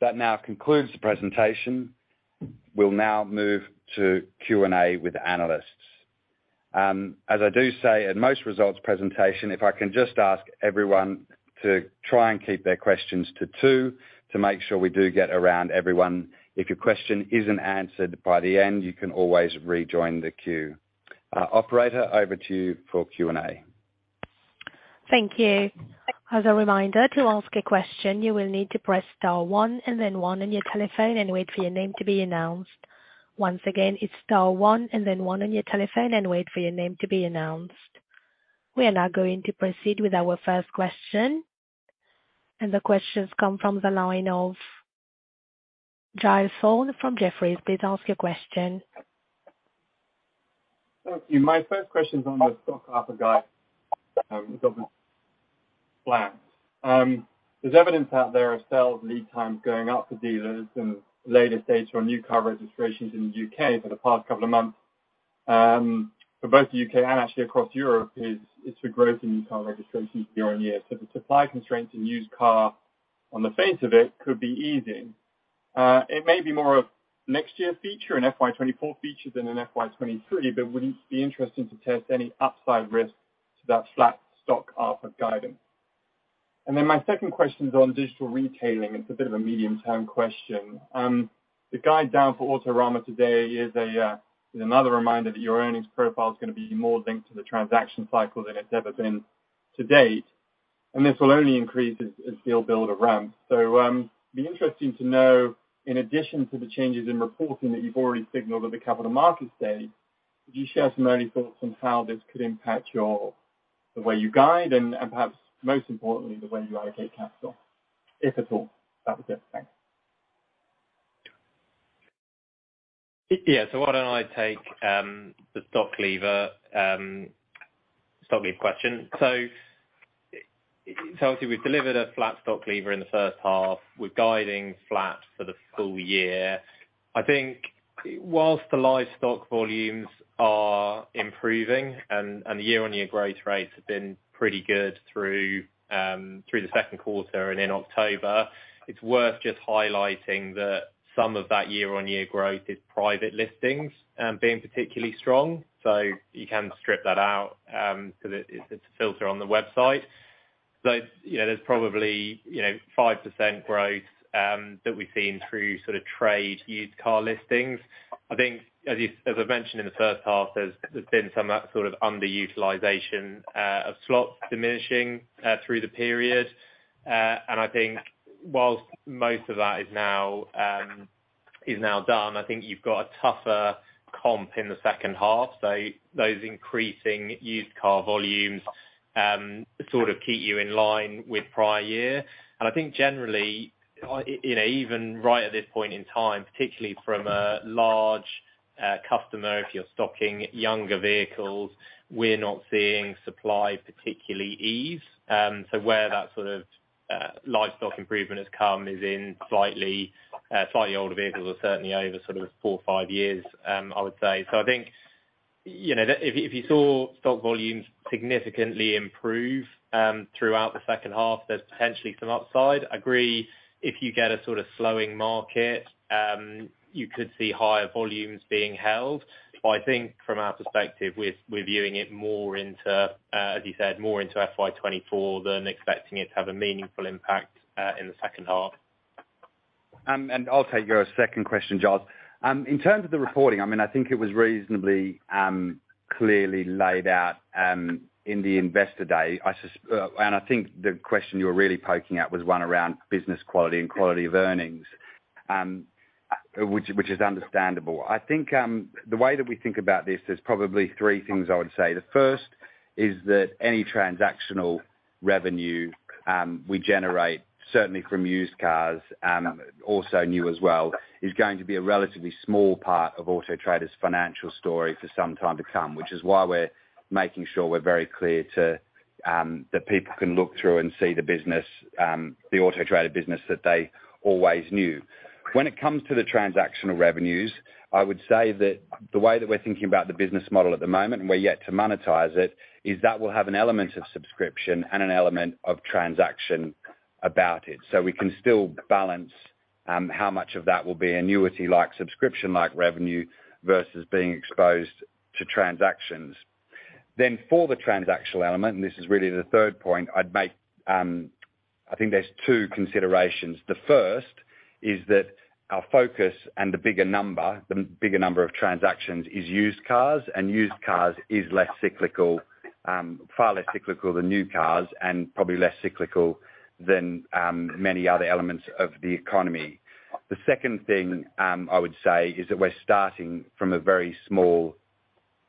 That now concludes the presentation. We'll now move to Q&A with analysts. As I do say in most results presentation, if I can just ask everyone to try and keep their questions to two to make sure we do get around everyone. If your question isn't answered by the end, you can always rejoin the queue. Operator, over to you for Q&A. Thank you. As a reminder, to ask a question, you will need to press star one and then one on your telephone and wait for your name to be announced. Once again, it's star one and then one on your telephone and wait for your name to be announced. We are now going to proceed with our first question, and the questions come from the line of Giles Thorne from Jefferies. Please ask your question. Thank you. My first question is on the stock ARPA guide plans. There's evidence out there of sales lead times going up to dealers and later stage for new car registrations in the U.K. for the past couple of months. For both the U.K. and actually across Europe, it's a growth in new car registrations year on year. The supply constraints in used car, on the face of it, could be easing. It may be more of next year's feature, an FY 2024 feature than an FY 2023, but wouldn't be interesting to test any upside risk to that flat stock offer guidance. Then my second question is on digital retailing. It's a bit of a medium-term question. The guidance down for Autorama today is another reminder that your earnings profile is gonna be more linked to the transaction cycle than it's ever been to date. This will only increase as Deal Builder ramps. It would be interesting to know, in addition to the changes in reporting that you've already signaled at the Capital Markets Day, could you share some early thoughts on how this could impact the way you guide and, perhaps most importantly, the way you allocate capital, if at all? That was it. Thanks. Yes. Why don't I take the stock level question. Obviously we've delivered a flat stock level in the first half. We're guiding flat for the full year. I think while the live stock volumes are improving and the year-over-year growth rates have been pretty good through the second quarter and in October, it's worth just highlighting that some of that year-over-year growth is private listings being particularly strong. You can strip that out so that it's a filter on the website. You know, there's probably, you know, 5% growth that we've seen through sort of trader used car listings. I think as I've mentioned in the first half, there's been some sort of underutilization of slots diminishing through the period. I think while most of that is now done, I think you've got a tougher comp in the second half. Those increasing used car volumes sort of keep you in line with prior year. I think generally, you know, even right at this point in time, particularly from a large customer, if you're stocking younger vehicles, we're not seeing supply particularly ease. Where that sort of live stock improvement has come is in slightly older vehicles, certainly over four or five years, I would say. I think, you know, if you saw stock volumes significantly improve throughout the second half, there's potentially some upside. Agree, if you get a sort of slowing market, you could see higher volumes being held. I think from our perspective, we're viewing it more into, as you said, FY 2024 than expecting it to have a meaningful impact in the second half. I'll take your second question, Giles. In terms of the reporting, I mean, I think it was reasonably clearly laid out in the Investor Day. I think the question you were really poking at was one around business quality and quality of earnings, which is understandable. I think the way that we think about this, there's probably three things I would say. The first is that any transactional revenue we generate, certainly from used cars, also new as well, is going to be a relatively small part of Auto Trader's financial story for some time to come, which is why we're making sure we're very clear to that people can look through and see the business, the Auto Trader business that they always knew. When it comes to the transactional revenues, I would say that the way that we're thinking about the business model at the moment, and we're yet to monetize it, is that we'll have an element of subscription and an element of transaction about it. We can still balance how much of that will be annuity-like, subscription-like revenue versus being exposed to transactions. For the transactional element, and this is really the third point I'd make, I think there's two considerations. The first is that our focus and the bigger number of transactions is used cars, and used cars is less cyclical, far less cyclical than new cars, and probably less cyclical than many other elements of the economy. The second thing, I would say is that we're starting from a very small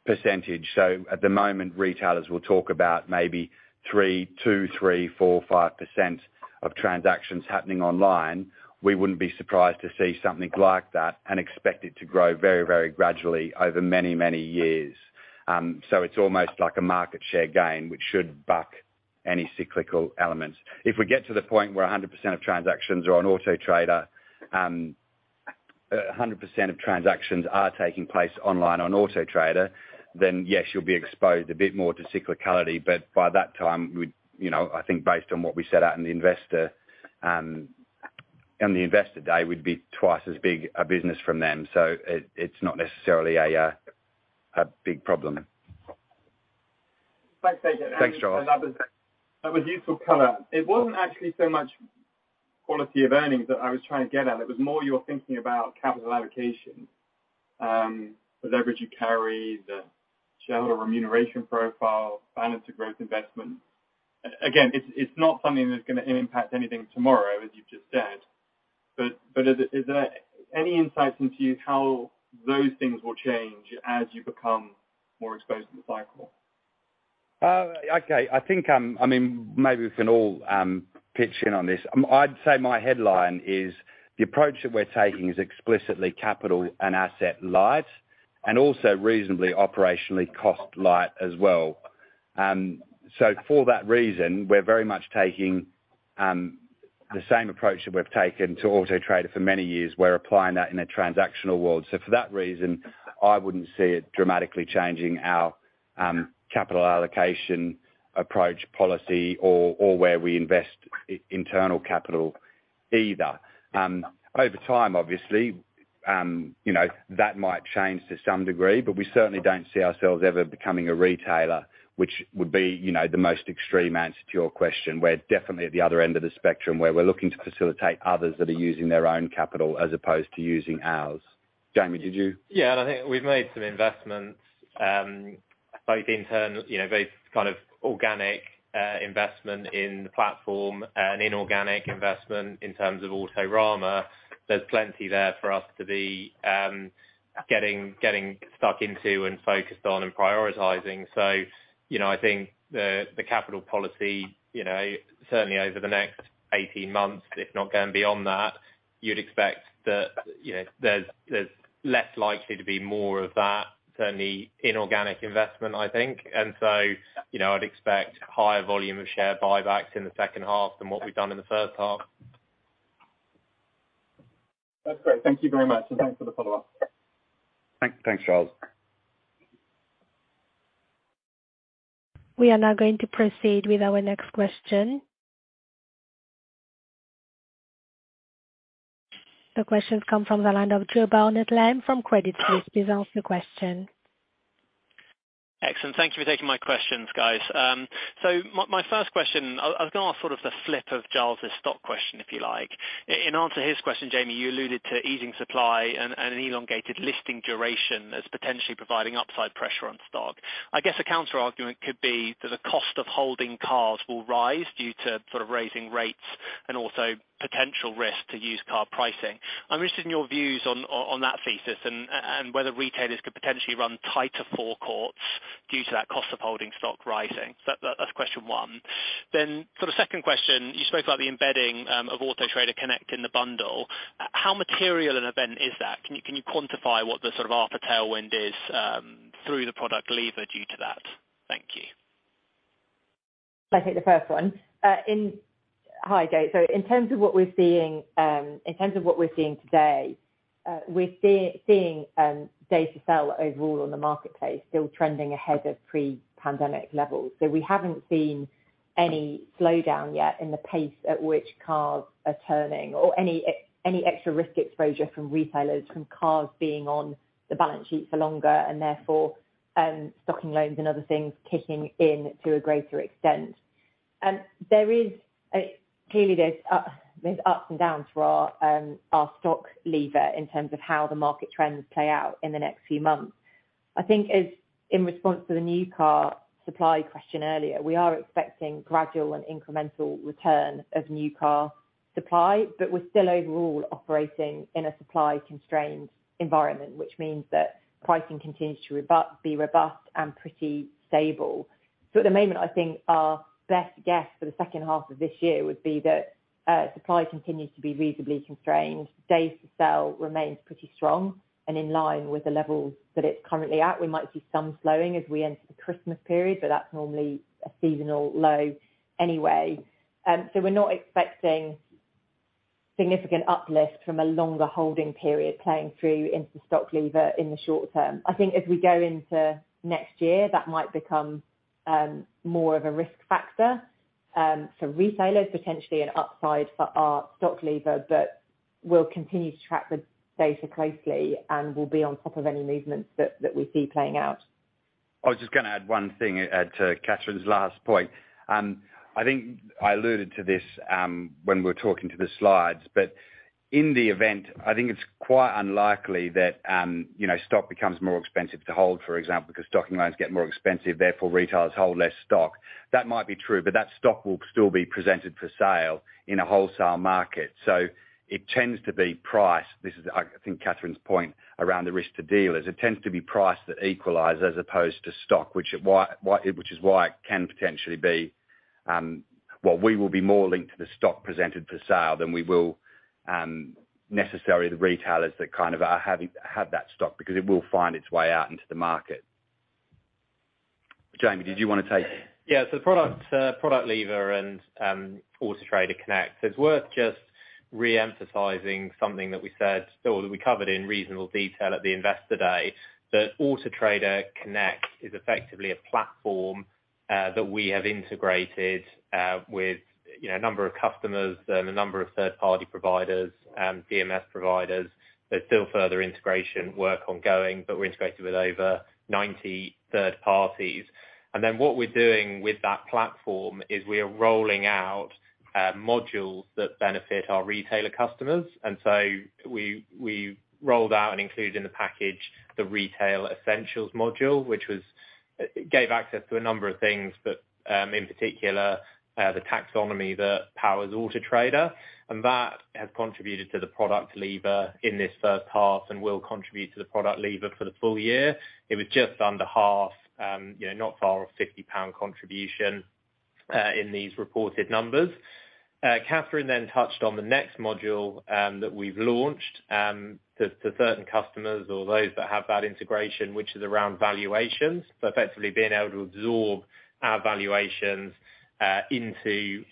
percentage. At the moment, retailers will talk about maybe 2%, 3%, 4%, 5% of transactions happening online. We wouldn't be surprised to see something like that and expect it to grow very, very gradually over many, many years. It's almost like a market share gain, which should buck any cyclical elements. If we get to the point where 100% of transactions are on Auto Trader, 100% of transactions are taking place online on Auto Trader, then yes, you'll be exposed a bit more to cyclicality, but by that time, we'd, you know, I think based on what we set out in the investor, on the Investor Day, we'd be twice as big a business from them. It, it's not necessarily a big problem. Thanks, Nathan. Thanks, Giles. That was useful color. It wasn't actually so much quality of earnings that I was trying to get at. It was more your thinking about capital allocation, the leverage you carry, the shareholder remuneration profile, finance to growth investment. Again, it's not something that's gonna impact anything tomorrow, as you've just said, but is there any insight into how those things will change as you become more exposed to the cycle? Okay. I think, I mean, maybe we can all pitch in on this. I'd say my headline is the approach that we're taking is explicitly capital and asset light and also reasonably operationally cost light as well. For that reason, we're very much taking the same approach that we've taken to Auto Trader for many years. We're applying that in a transactional world. For that reason, I wouldn't see it dramatically changing our capital allocation approach policy or where we invest internal capital either. Over time, obviously, you know, that might change to some degree, but we certainly don't see ourselves ever becoming a retailer, which would be, you know, the most extreme answer to your question. We're definitely at the other end of the spectrum, where we're looking to facilitate others that are using their own capital as opposed to using ours. Jamie, did you Yeah, I think we've made some investments, both you know, both kind of organic investment in the platform and inorganic investment in terms of Autorama. There's plenty there for us to be getting stuck into and focused on, and prioritizing. You know, I think the capital policy, you know, certainly over the next 18 months, if not going beyond that, you'd expect that, you know, there's less likely to be more of that, certainly inorganic investment, I think. You know, I'd expect higher volume of share buybacks in the second half than what we've done in the first half. That's great. Thank you very much, and thanks for the follow-up. Thanks, Giles. We are now going to proceed with our next question. The question come from the line of Jo Barnet-Lamb from Credit Suisse. Please ask the question. Excellent. Thank you for taking my questions, guys. My first question, I'll go off sort of the flip of Giles' stock question, if you like. In answer to his question, Jamie, you alluded to easing supply and an elongated listing duration as potentially providing upside pressure on stock. I guess a counter argument could be that the cost of holding cars will rise due to sort of raising rates and also potential risk to used car pricing. I'm interested in your views on that thesis and whether retailers could potentially run tighter forecourts due to that cost of holding stock rising. That’s question one. For the second question, you spoke about the embedding of Auto Trader Connect in the bundle. How material an event is that? Can you quantify what the sort of alpha tailwind is through the product lever due to that? Thank you. I'll take the first one. Hi, Jo. In terms of what we're seeing today, we're seeing days to sell overall on the marketplace still trending ahead of pre-pandemic levels. We haven't seen any slowdown yet in the pace at which cars are turning or any extra risk exposure from retailers from cars being on the balance sheet for longer, and therefore, stocking loans and other things kicking in to a greater extent. Clearly, there's ups and downs for our stock level in terms of how the market trends play out in the next few months. I think as in response to the new car supply question earlier, we are expecting gradual and incremental return of new car supply, but we're still overall operating in a supply constrained environment, which means that pricing continues to be robust and pretty stable. At the moment, I think our best guess for the second half of this year would be that supply continues to be reasonably constrained. Days to sell remains pretty strong and in line with the levels that it's currently at. We might see some slowing as we enter the Christmas period, but that's normally a seasonal low anyway. We're not expecting significant uplift from a longer holding period playing through into the stock lever in the short term. I think as we go into next year, that might become more of a risk factor for retailers, potentially an upside for our stock lever, but we'll continue to track the data closely, and we'll be on top of any movements that we see playing out. I was just gonna add one thing to Catherine's last point. I think I alluded to this when we were talking to the slides, but in the event, I think it's quite unlikely that you know, stock becomes more expensive to hold, for example, because stocking loans get more expensive, therefore, retailers hold less stock. That might be true, but that stock will still be presented for sale in a wholesale market. So it tends to be price. This is, I think Catherine's point around the risk to dealers. It tends to be price that equalizes as opposed to stock, which is why it can potentially be well, we will be more linked to the stock presented for sale than we will necessarily the retailers that kind of have that stock because it will find its way out into the market. Jamie, did you wanna take? Yeah. The product lever and Auto Trader Connect, it's worth just re-emphasizing something that we said or that we covered in reasonable detail at the Investor Day, that Auto Trader Connect is effectively a platform that we have integrated with, you know, a number of customers and a number of third-party providers and DMS providers. There's still further integration work ongoing, but we're integrated with over 90 third parties. What we're doing with that platform is we are rolling out modules that benefit our retailer customers. We rolled out and included in the package the Retail Essentials module, which gave access to a number of things, but in particular, the taxonomy that powers Auto Trader, and that has contributed to the product lever in this first half and will contribute to the product lever for the full year. It was just under half, you know, not far off GBP 50 contribution in these reported numbers. Catherine then touched on the next module that we've launched to certain customers or those that have that integration, which is around valuations, so effectively being able to absorb our valuations into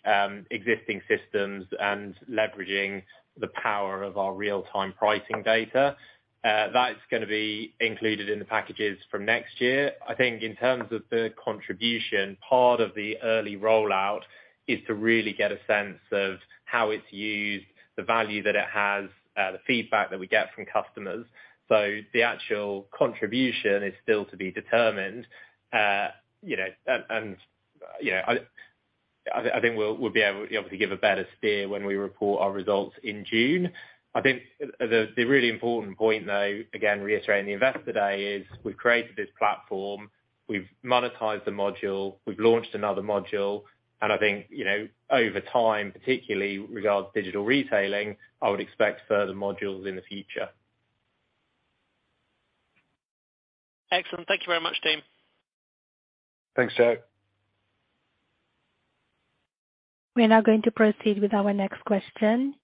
existing systems and leveraging the power of our real-time pricing data. That's gonna be included in the packages from next year. I think in terms of the contribution, part of the early rollout is to really get a sense of how it's used, the value that it has, the feedback that we get from customers. The actual contribution is still to be determined. I think we'll be able to give a better steer when we report our results in June. I think the really important point though, again, reiterating the Investor Day, is we've created this platform, we've monetized the module, we've launched another module, and I think, you know, over time, particularly with regards to digital retailing, I would expect further modules in the future. Excellent. Thank you very much, team. Thanks, Jo. We are now going to proceed with our next question.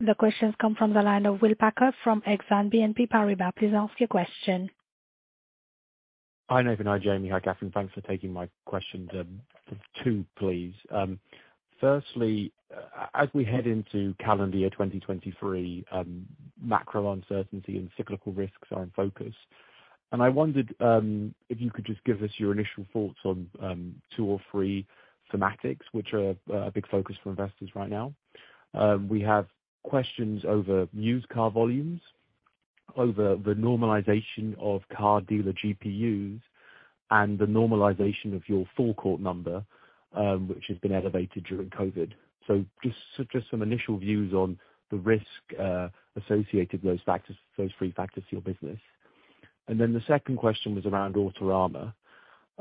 The question's come from the line of Will Packer from Exane BNP Paribas. Please ask your question. Hi, Nathan. Hi, Jamie. Hi, Catherine. Thanks for taking my questions. Two, please. Firstly, as we head into calendar year 2023, macro uncertainty and cyclical risks are in focus, and I wondered if you could just give us your initial thoughts on two or three thematics, which are a big focus for investors right now. We have questions over used car volumes, over the normalization of car dealer GPUs, and the normalization of your forecourt number, which has been elevated during COVID. Just some initial views on the risk associated with those factors, those three factors to your business. Then the second question was around Autorama.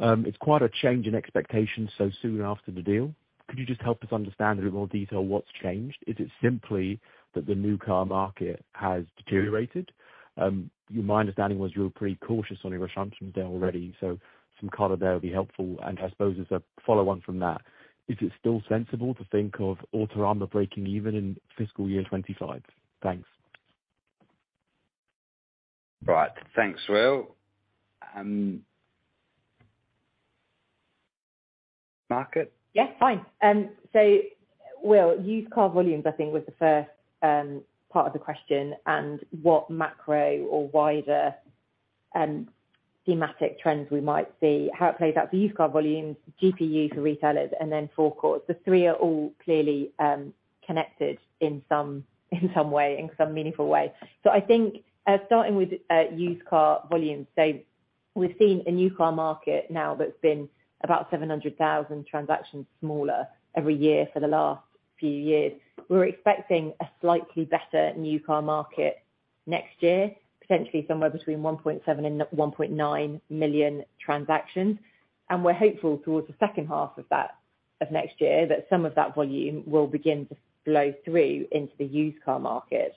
It's quite a change in expectations so soon after the deal. Could you just help us understand in a bit more detail what's changed? Is it simply that the new car market has deteriorated? My understanding was you were pretty cautious on your assumptions there already, so some color there would be helpful. I suppose as a follow on from that, is it still sensible to think of Autorama breaking even in fiscal year 2025? Thanks. Right. Thanks, Will. Market? Yes, fine. Will, used car volumes, I think, was the first part of the question and what macro or wider thematic trends we might see, how it plays out for used car volumes, GPU for retailers and then forecourts. The three are all clearly connected in some meaningful way. I think, starting with used car volumes. We've seen a new car market now that's been about 700,000 transactions smaller every year for the last few years. We're expecting a slightly better new car market next year, potentially somewhere between 1.7 million and 1.9 million transactions. We're hopeful towards the second half of that of next year that some of that volume will begin to flow through into the used car market.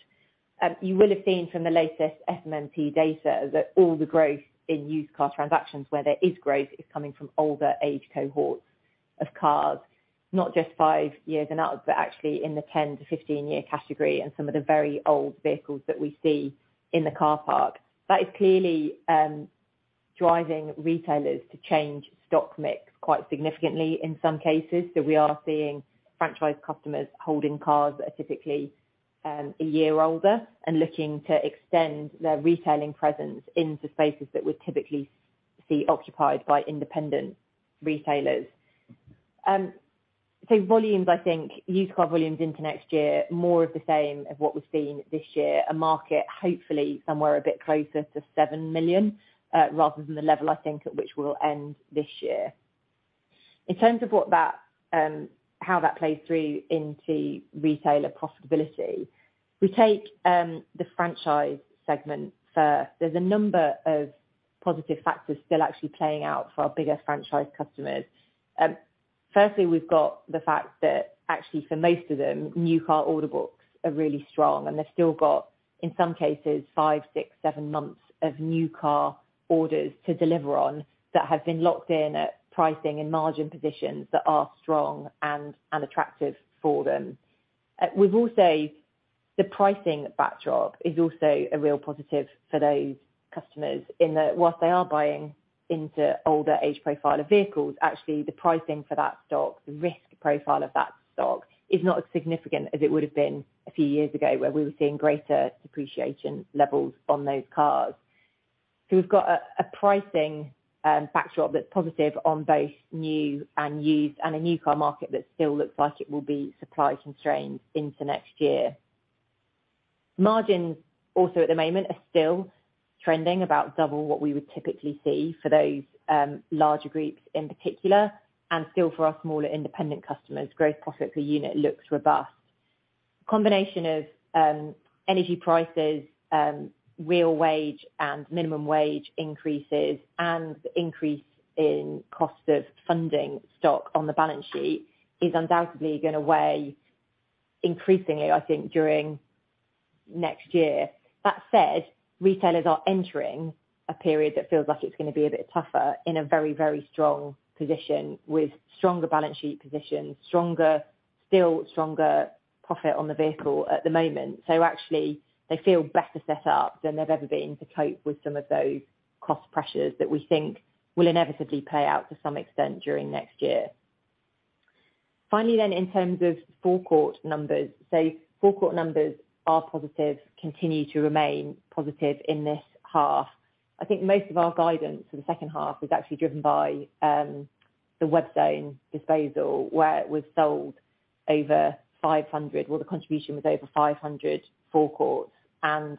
You will have seen from the latest SMMT data that all the growth in used car transactions, where there is growth, is coming from older age cohorts of cars. Not just five years and out, but actually in the 10- to 15-year category and some of the very old vehicles that we see in the car park. That is clearly driving retailers to change stock mix quite significantly in some cases. We are seeing franchise customers holding cars that are typically a year older and looking to extend their retailing presence into spaces that would typically see occupied by independent retailers. Volumes, I think, used car volumes into next year, more of the same of what we've seen this year. A market, hopefully somewhere a bit closer to 7 million rather than the level I think at which we'll end this year. In terms of how that plays through into retailer profitability, we take the franchise segment first. There's a number of positive factors still actually playing out for our bigger franchise customers. Firstly, we've got the fact that actually for most of them, new car order books are really strong, and they've still got, in some cases, five, six, seven months of new car orders to deliver on that have been locked in at pricing and margin positions that are strong and attractive for them. We've also, the pricing backdrop is also a real positive for those customers in that while they are buying into older age profile of vehicles, actually the pricing for that stock, the risk profile of that stock is not as significant as it would have been a few years ago, where we were seeing greater depreciation levels on those cars. We've got a pricing backdrop that's positive on both new and used, and a new car market that still looks like it will be supply constrained into next year. Margins also at the moment are still trending about double what we would typically see for those larger groups in particular, and still for our smaller independent customers, growth profit per unit looks robust. Combination of energy prices, real wage and minimum wage increases and increase in cost of funding stock on the balance sheet is undoubtedly gonna weigh increasingly, I think, during next year. That said, retailers are entering a period that feels like it's gonna be a bit tougher in a very, very strong position with stronger balance sheet positions, stronger profit on the vehicle at the moment. Actually they feel better set up than they've ever been to cope with some of those cost pressures that we think will inevitably play out to some extent during next year. Finally then in terms of forecourt numbers. Forecourt numbers are positive, continue to remain positive in this half. I think most of our guidance for the second half is actually driven by the Webzone disposal, where the contribution was over 500 forecourts, and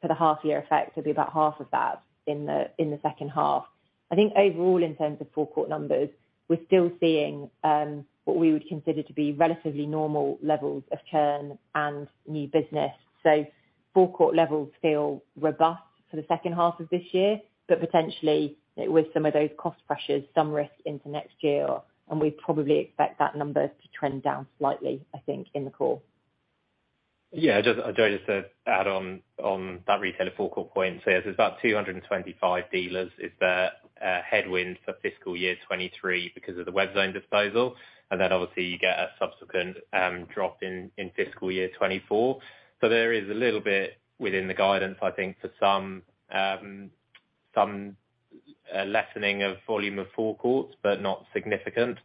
for the half year effect, it'll be about half of that in the second half. I think overall, in terms of forecourt numbers, we're still seeing what we would consider to be relatively normal levels of churn and new business. Forecourt levels feel robust for the second half of this year, but potentially with some of those cost pressures, some risk into next year, and we probably expect that number to trend down slightly, I think, in the core. I'd just add on to that retailer forecourt point. Yes, there's about 225 dealers is the headwind for fiscal year 2023 because of the Webzone disposal, and then obviously you get a subsequent drop in fiscal year 2024. There is a little bit within the guidance, I think, for some lessening of volume of forecourts, but not significant.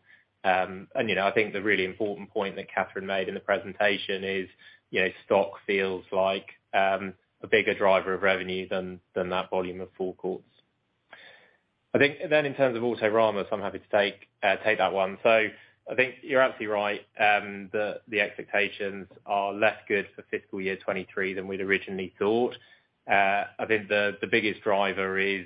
You know, I think the really important point that Catherine made in the presentation is, you know, stock feels like a bigger driver of revenue than that volume of forecourts. I think then in terms of Autorama, I'm happy to take that one. I think you're absolutely right that the expectations are less good for fiscal year 2023 than we'd originally thought. I think the biggest driver is,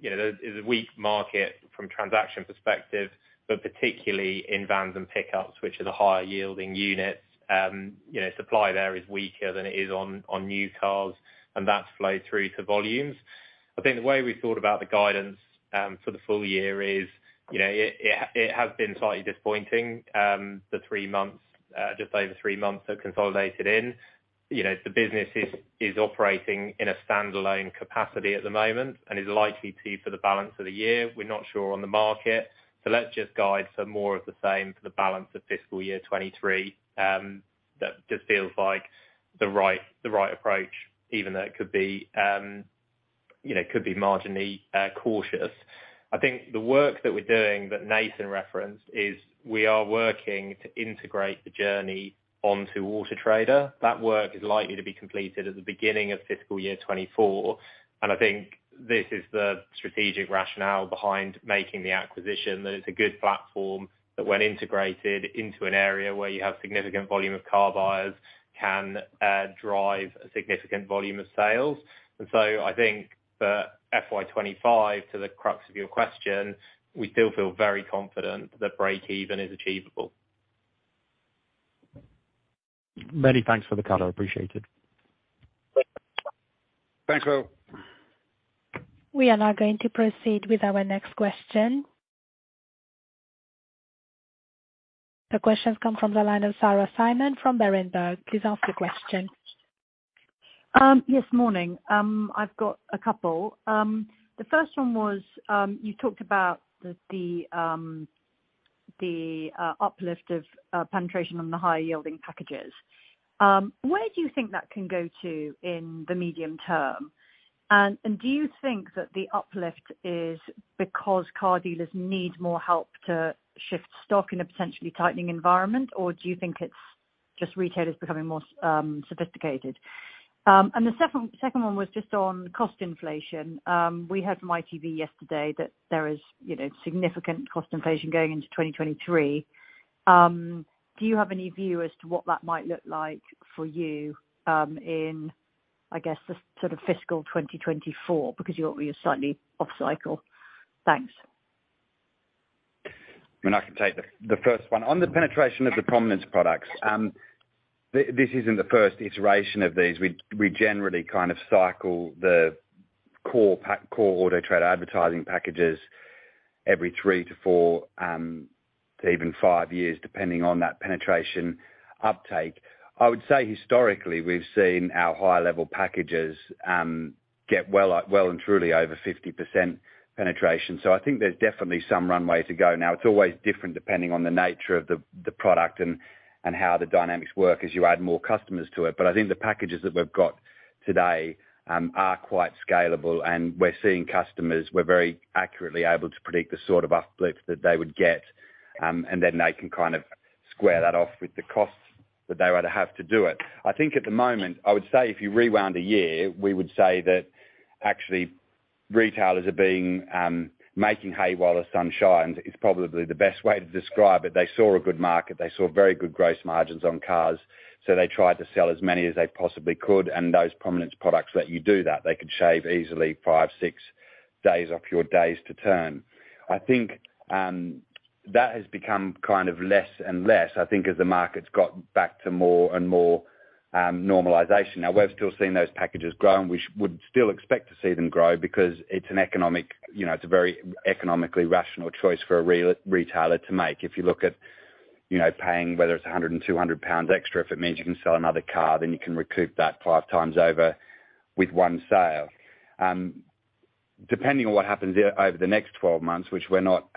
you know, a weak market from transaction perspective, but particularly in vans and pickups, which are the higher yielding units. You know, supply there is weaker than it is on used cars, and that's flowed through to volumes. I think the way we thought about the guidance for the full year is, you know, it has been slightly disappointing, the three months, just over three months of consolidation in. You know, the business is operating in a standalone capacity at the moment and is likely to for the balance of the year. We're not sure on the market, so let's just guide for more of the same for the balance of fiscal year 2023. That just feels like the right approach, even though it could be, you know, could be marginally cautious. I think the work that we're doing that Nathan referenced is we are working to integrate the journey onto Auto Trader. That work is likely to be completed at the beginning of fiscal year 2024, and I think this is the strategic rationale behind making the acquisition. That it's a good platform that when integrated into an area where you have significant volume of car buyers can drive a significant volume of sales. I think that FY 2025, to the crux of your question, we still feel very confident that breakeven is achievable. Many thanks for the color. Appreciate it. Thanks Will. We are now going to proceed with our next question. The question's come from the line of Sarah Simon from Berenberg. Please ask your question. Yes, morning. I've got a couple. The first one was you talked about the uplift of penetration on the higher yielding packages. Where do you think that can go to in the medium term? Do you think that the uplift is because car dealers need more help to shift stock in a potentially tightening environment, or do you think it's just retailers becoming more sophisticated? The second one was just on cost inflation. We heard from ITV yesterday that there is, you know, significant cost inflation going into 2023. Do you have any view as to what that might look like for you, in, I guess, the sort of fiscal 2024? Because you're slightly off cycle. Thanks. I mean, I can take the first one. On the penetration of the premium products, this isn't the first iteration of these. We generally kind of cycle the core Auto Trader advertising packages every three to four, even five years, depending on that penetration uptake. I would say historically, we've seen our higher level packages get well and truly over 50% penetration. I think there's definitely some runway to go. Now, it's always different depending on the nature of the product and how the dynamics work as you add more customers to it. I think the packages that we've got today are quite scalable, and we're seeing customers. We're very accurately able to predict the sort of uplift that they would get, and then they can kind of square that off with the costs that they would have to do it. I think at the moment, I would say if you rewound a year, we would say that actually retailers are being making hay while the sun shines is probably the best way to describe it. They saw a good market. They saw very good gross margins on cars, so they tried to sell as many as they possibly could, and those prominence products let you do that. They could shave easily five, six days off your days to turn. I think that has become kind of less and less, I think as the market's gotten back to more and more normalization. Now, we've still seen those packages grow, and we would still expect to see them grow because it's an economic, you know, it's a very economically rational choice for a retailer to make. If you look at, you know, paying whether it's 100 and 200 pounds extra, if it means you can sell another car, then you can recoup that five times over with one sale. Depending on what happens over the next 12 months, which we're not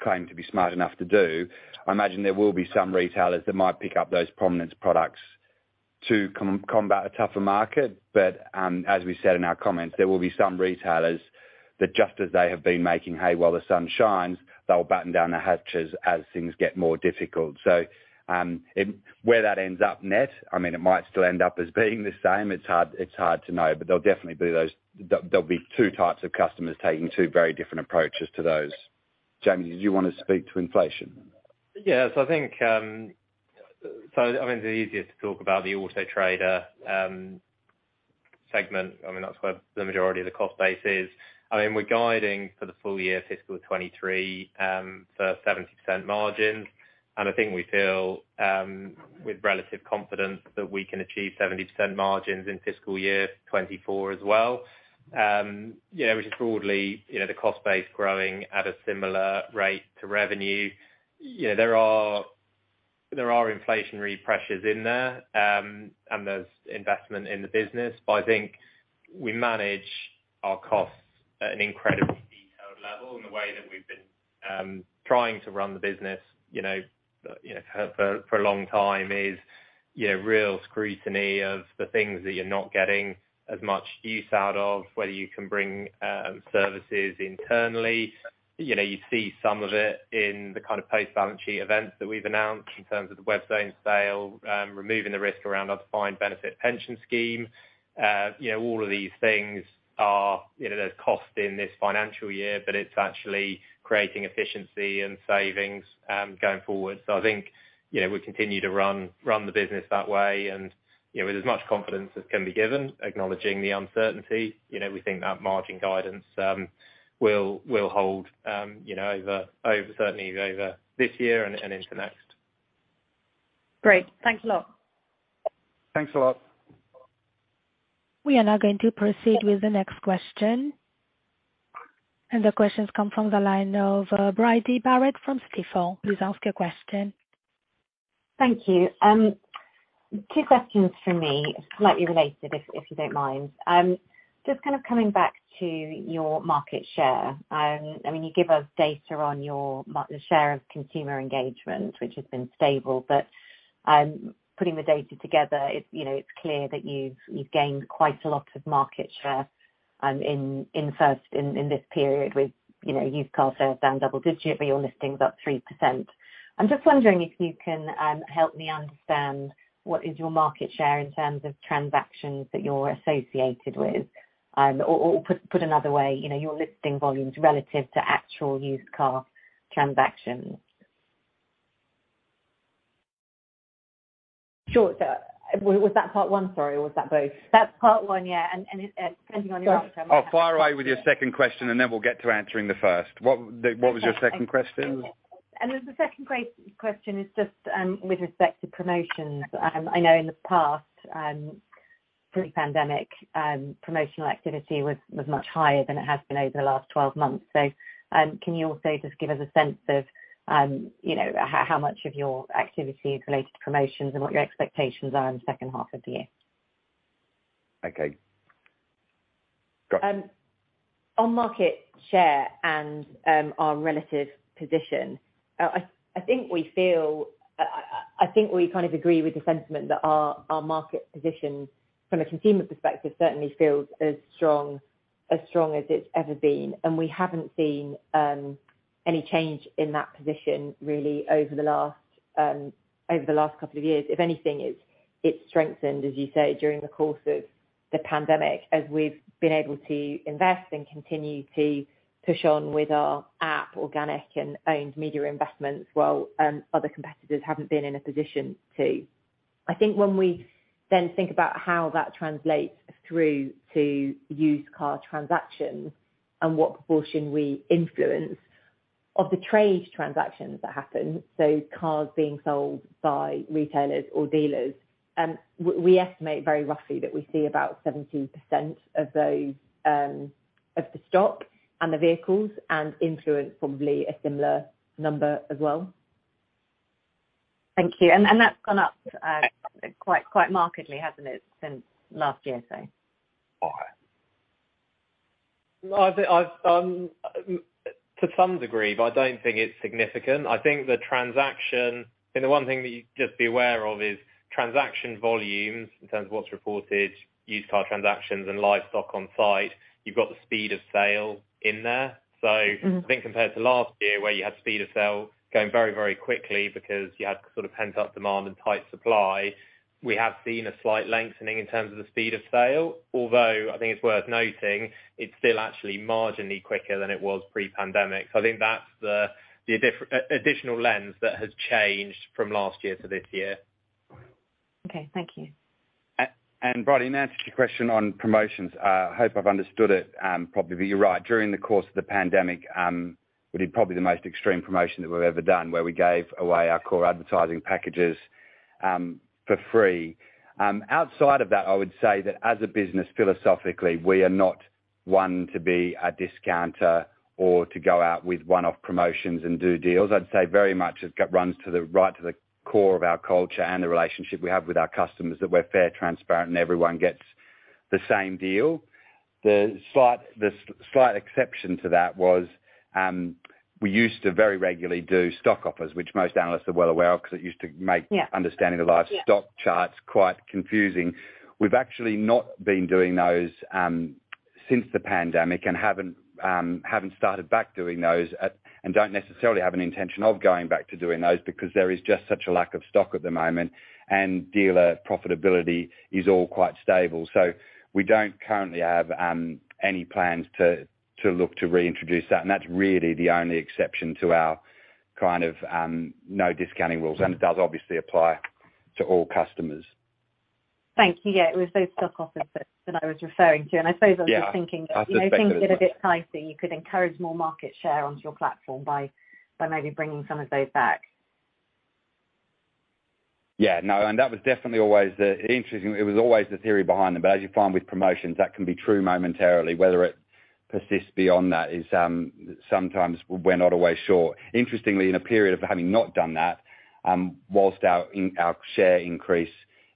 claiming to be smart enough to do, I imagine there will be some retailers that might pick up those prominence products to combat a tougher market. As we said in our comments, there will be some retailers that, just as they have been making hay while the sun shines, they'll batten down the hatches as things get more difficult. Where that ends up net, I mean, it might still end up as being the same. It's hard to know. There'll definitely be those. There'll be two types of customers taking two very different approaches to those. Jamie, did you wanna speak to inflation? I mean, it's easier to talk about the Auto Trader segment. I mean, that's where the majority of the cost base is. I mean, we're guiding for the full year fiscal 2023 for 70% margin. I think we feel with relative confidence that we can achieve 70% margins in fiscal year 2024 as well. You know, which is broadly, you know, the cost base growing at a similar rate to revenue. You know, there are inflationary pressures in there, and there's investment in the business. I think we manage our costs at an incredibly detailed level, and the way that we've been trying to run the business, you know, for a long time is you know, real scrutiny of the things that you're not getting as much use out of, whether you can bring services internally. You know, you see some of it in the kind of post-balance sheet events that we've announced in terms of the Webzone sale, removing the risk around a defined benefit pension scheme. You know, all of these things are you know, there's cost in this financial year, but it's actually creating efficiency and savings going forward. I think, you know, we continue to run the business that way and, you know, with as much confidence as can be given, acknowledging the uncertainty, you know, we think that margin guidance will hold, you know, over certainly over this year and into next. Great. Thanks a lot. Thanks a lot. We are now going to proceed with the next question. The question's come from the line of, Bridie Barrett from Stifel. Please ask your question. Thank you. Two questions from me, slightly related if you don't mind. Just kind of coming back to your market share. I mean, you give us data on the share of consumer engagement, which has been stable. Putting the data together, it's, you know, it's clear that you've gained quite a lot of market share in this period with, you know, used car sales down double-digit, but your listing's up 3%. I'm just wondering if you can help me understand what is your market share in terms of transactions that you're associated with. Put another way, you know, your listing volumes relative to actual used car transactions. Sure. Was that part one, sorry, or was that both? That's part one, yeah. It, depending on your answer. Oh, fire away with your second question, and then we'll get to answering the first. What was your second question? The second question is just, with respect to promotions. I know in the past, pre-pandemic, promotional activity was much higher than it has been over the last 12 months. Can you also just give us a sense of, you know, how much of your activity is related to promotions and what your expectations are in the second half of the year? Okay. Go on. On market share and our relative position, I think we kind of agree with the sentiment that our market position from a consumer perspective certainly feels as strong as it's ever been. We haven't seen any change in that position really over the last couple of years. If anything, it's strengthened, as you say, during the course of the pandemic, as we've been able to invest and continue to push on with our app organic and owned media investments, while other competitors haven't been in a position to. I think when we then think about how that translates through to used car transactions and what proportion we influence of the trade transactions that happen, so cars being sold by retailers or dealers, we estimate very roughly that we see about 70% of those, of the stock and the vehicles, and influence probably a similar number as well. Thank you. That's gone up quite markedly, hasn't it, since last year, so? All right. To some degree, but I don't think it's significant. I think the transaction. I think the one thing that you'd just be aware of is transaction volumes in terms of what's reported, used car transactions and live stock on site. You've got the speed of sale in there. Mm-hmm. I think compared to last year, where you had speed of sale going very, very quickly because you had sort of pent-up demand and tight supply, we have seen a slight lengthening in terms of the speed of sale. Although I think it's worth noting it's still actually marginally quicker than it was pre-pandemic. I think that's the additional lens that has changed from last year to this year. Okay, thank you. Bridie, in answer to your question on promotions, I hope I've understood it properly, but you're right. During the course of the pandemic, we did probably the most extreme promotion that we've ever done, where we gave away our core advertising packages for free. Outside of that, I would say that as a business, philosophically, we are not one to be a discounter or to go out with one-off promotions and do deals. I'd say very much it runs right to the core of our culture and the relationship we have with our customers, that we're fair, transparent, and everyone gets the same deal. The slight exception to that was, we used to very regularly do stock offers, which most analysts are well aware of, because it used to make Yeah Understanding the live stock charts quite confusing. We've actually not been doing those since the pandemic and haven't started back doing those and don't necessarily have an intention of going back to doing those because there is just such a lack of stock at the moment, and dealer profitability is all quite stable. We don't currently have any plans to look to reintroduce that, and that's really the only exception to our kind of no discounting rules, and it does obviously apply to all customers. Thank you. Yeah, it was those stock offers that I was referring to. Yeah. I suppose I was just thinking that. I sort of think it was. You know, things get a bit pricey. You could encourage more market share onto your platform by maybe bringing some of those back. Yeah. No, that was definitely always the interesting. It was always the theory behind them. As you find with promotions, that can be true momentarily. Whether it persists beyond that is, sometimes we're not always sure. Interestingly, in a period of having not done that, while our share increase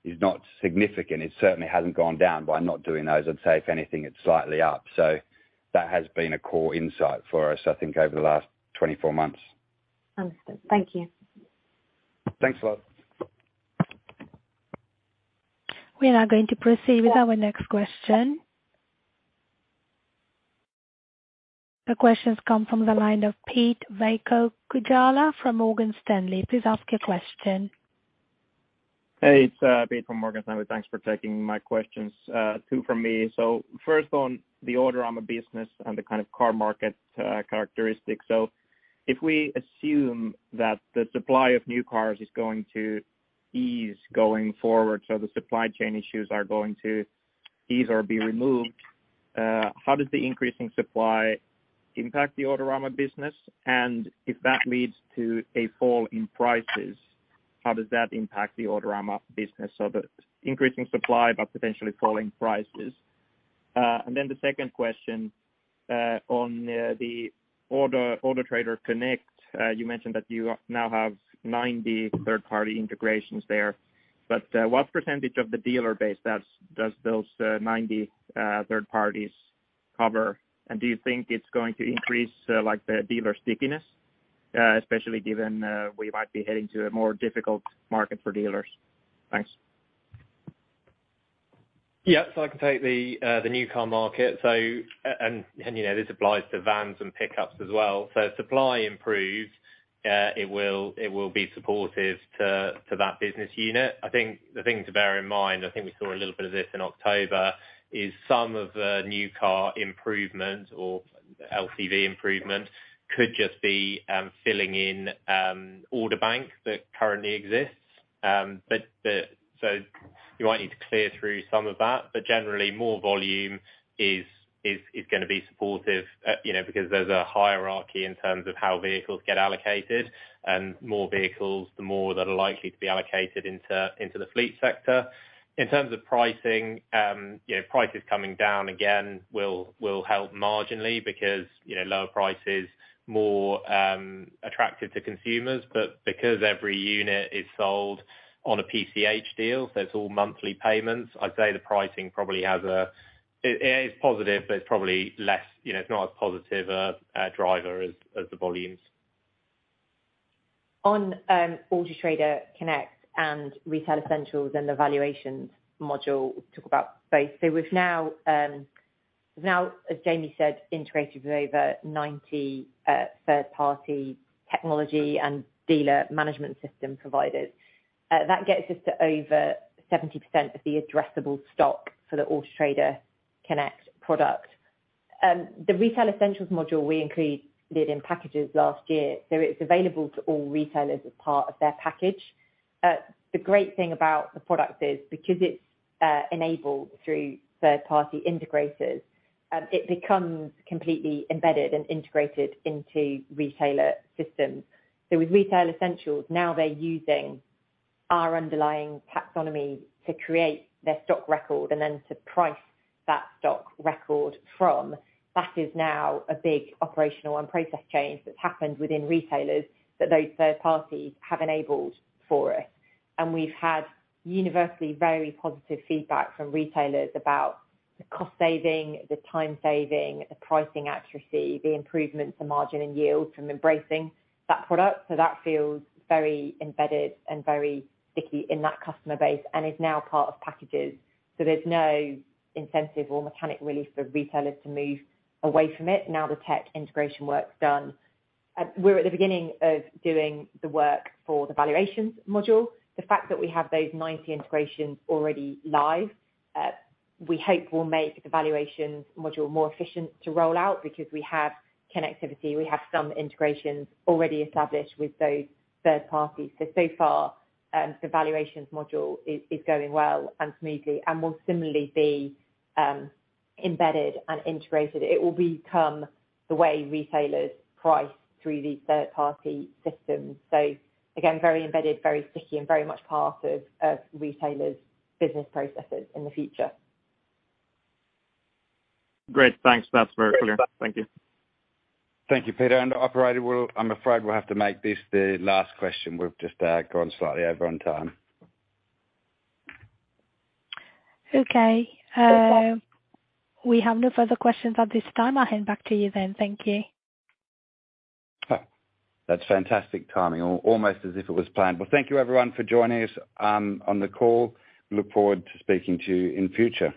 is not significant, it certainly hasn't gone down by not doing those. I'd say if anything, it's slightly up. That has been a core insight for us, I think, over the last 24 months. Understood. Thank you. Thanks a lot. We are now going to proceed with our next question. The question's come from the line of Pete-Veikko Kujala from Morgan Stanley. Please ask your question. Hey, it's Pete from Morgan Stanley. Thanks for taking my questions. Two from me. First on the Autorama business and the kind of car market characteristics. If we assume that the supply of new cars is going to ease going forward, so the supply chain issues are going to ease or be removed, how does the increase in supply impact the Autorama business? And if that leads to a fall in prices, how does that impact the Autorama business? The increasing supply, but potentially falling prices. The second question on the Auto Trader Connect. You mentioned that you now have 90 third-party integrations there, but what percentage of the dealer base does those 90 third-parties cover? Do you think it's going to increase, like the dealer stickiness, especially given, we might be heading to a more difficult market for dealers? Thanks. I can take the new car market. You know, this applies to vans and pickups as well. Supply improves, it will be supportive to that business unit. I think the thing to bear in mind, I think we saw a little bit of this in October, is some of the new car improvement or LCV improvement could just be filling in order bank that currently exists. You might need to clear through some of that. Generally, more volume is gonna be supportive, you know, because there's a hierarchy in terms of how vehicles get allocated. More vehicles, the more that are likely to be allocated into the fleet sector. In terms of pricing, you know, prices coming down again will help marginally because, you know, lower price is more attractive to consumers. Because every unit is sold on a PCH deal, so it's all monthly payments. I'd say the pricing probably has a. It is positive, but it's probably less, you know, not as positive a driver as the volumes. On Auto Trader Connect and Retail Essentials and the Valuations module, talk about both. We've now, as Jamie said, integrated with over 90 third-party technology and dealer management system providers. That gets us to over 70% of the addressable stock for the Auto Trader Connect product. The Retail Essentials module, we included in packages last year, so it's available to all retailers as part of their package. The great thing about the product is because it's enabled through third party integrators, it becomes completely embedded and integrated into retailer systems. With Retail Essentials, now they're using our underlying taxonomy to create their stock record and then to price that stock record from. That is now a big operational and process change that's happened within retailers that those third parties have enabled for us. We've had universally very positive feedback from retailers about the cost savings, the time savings, the pricing accuracy, the improvements to margin and yield from embracing that product. That feels very embedded and very sticky in that customer base and is now part of packages. There's no incentive or mechanic really for retailers to move away from it now the tech integration work's done. We're at the beginning of doing the work for the valuations module. The fact that we have those 90 integrations already live, we hope will make the valuations module more efficient to roll out because we have connectivity. We have some integrations already established with those third parties. So far, the valuations module is going well and smoothly and will similarly be embedded and integrated. It will become the way retailers price through these third-party systems. Again, very embedded, very sticky, and very much part of retailers' business processes in the future. Great. Thanks. That's very clear. Thank you. Thank you, Peter. Operator, I'm afraid we'll have to make this the last question. We've just gone slightly over on time. Okay. We have no further questions at this time. I'll hand back to you then. Thank you. Oh, that's fantastic timing. Almost as if it was planned. Well, thank you everyone for joining us on the call. We look forward to speaking to you in future.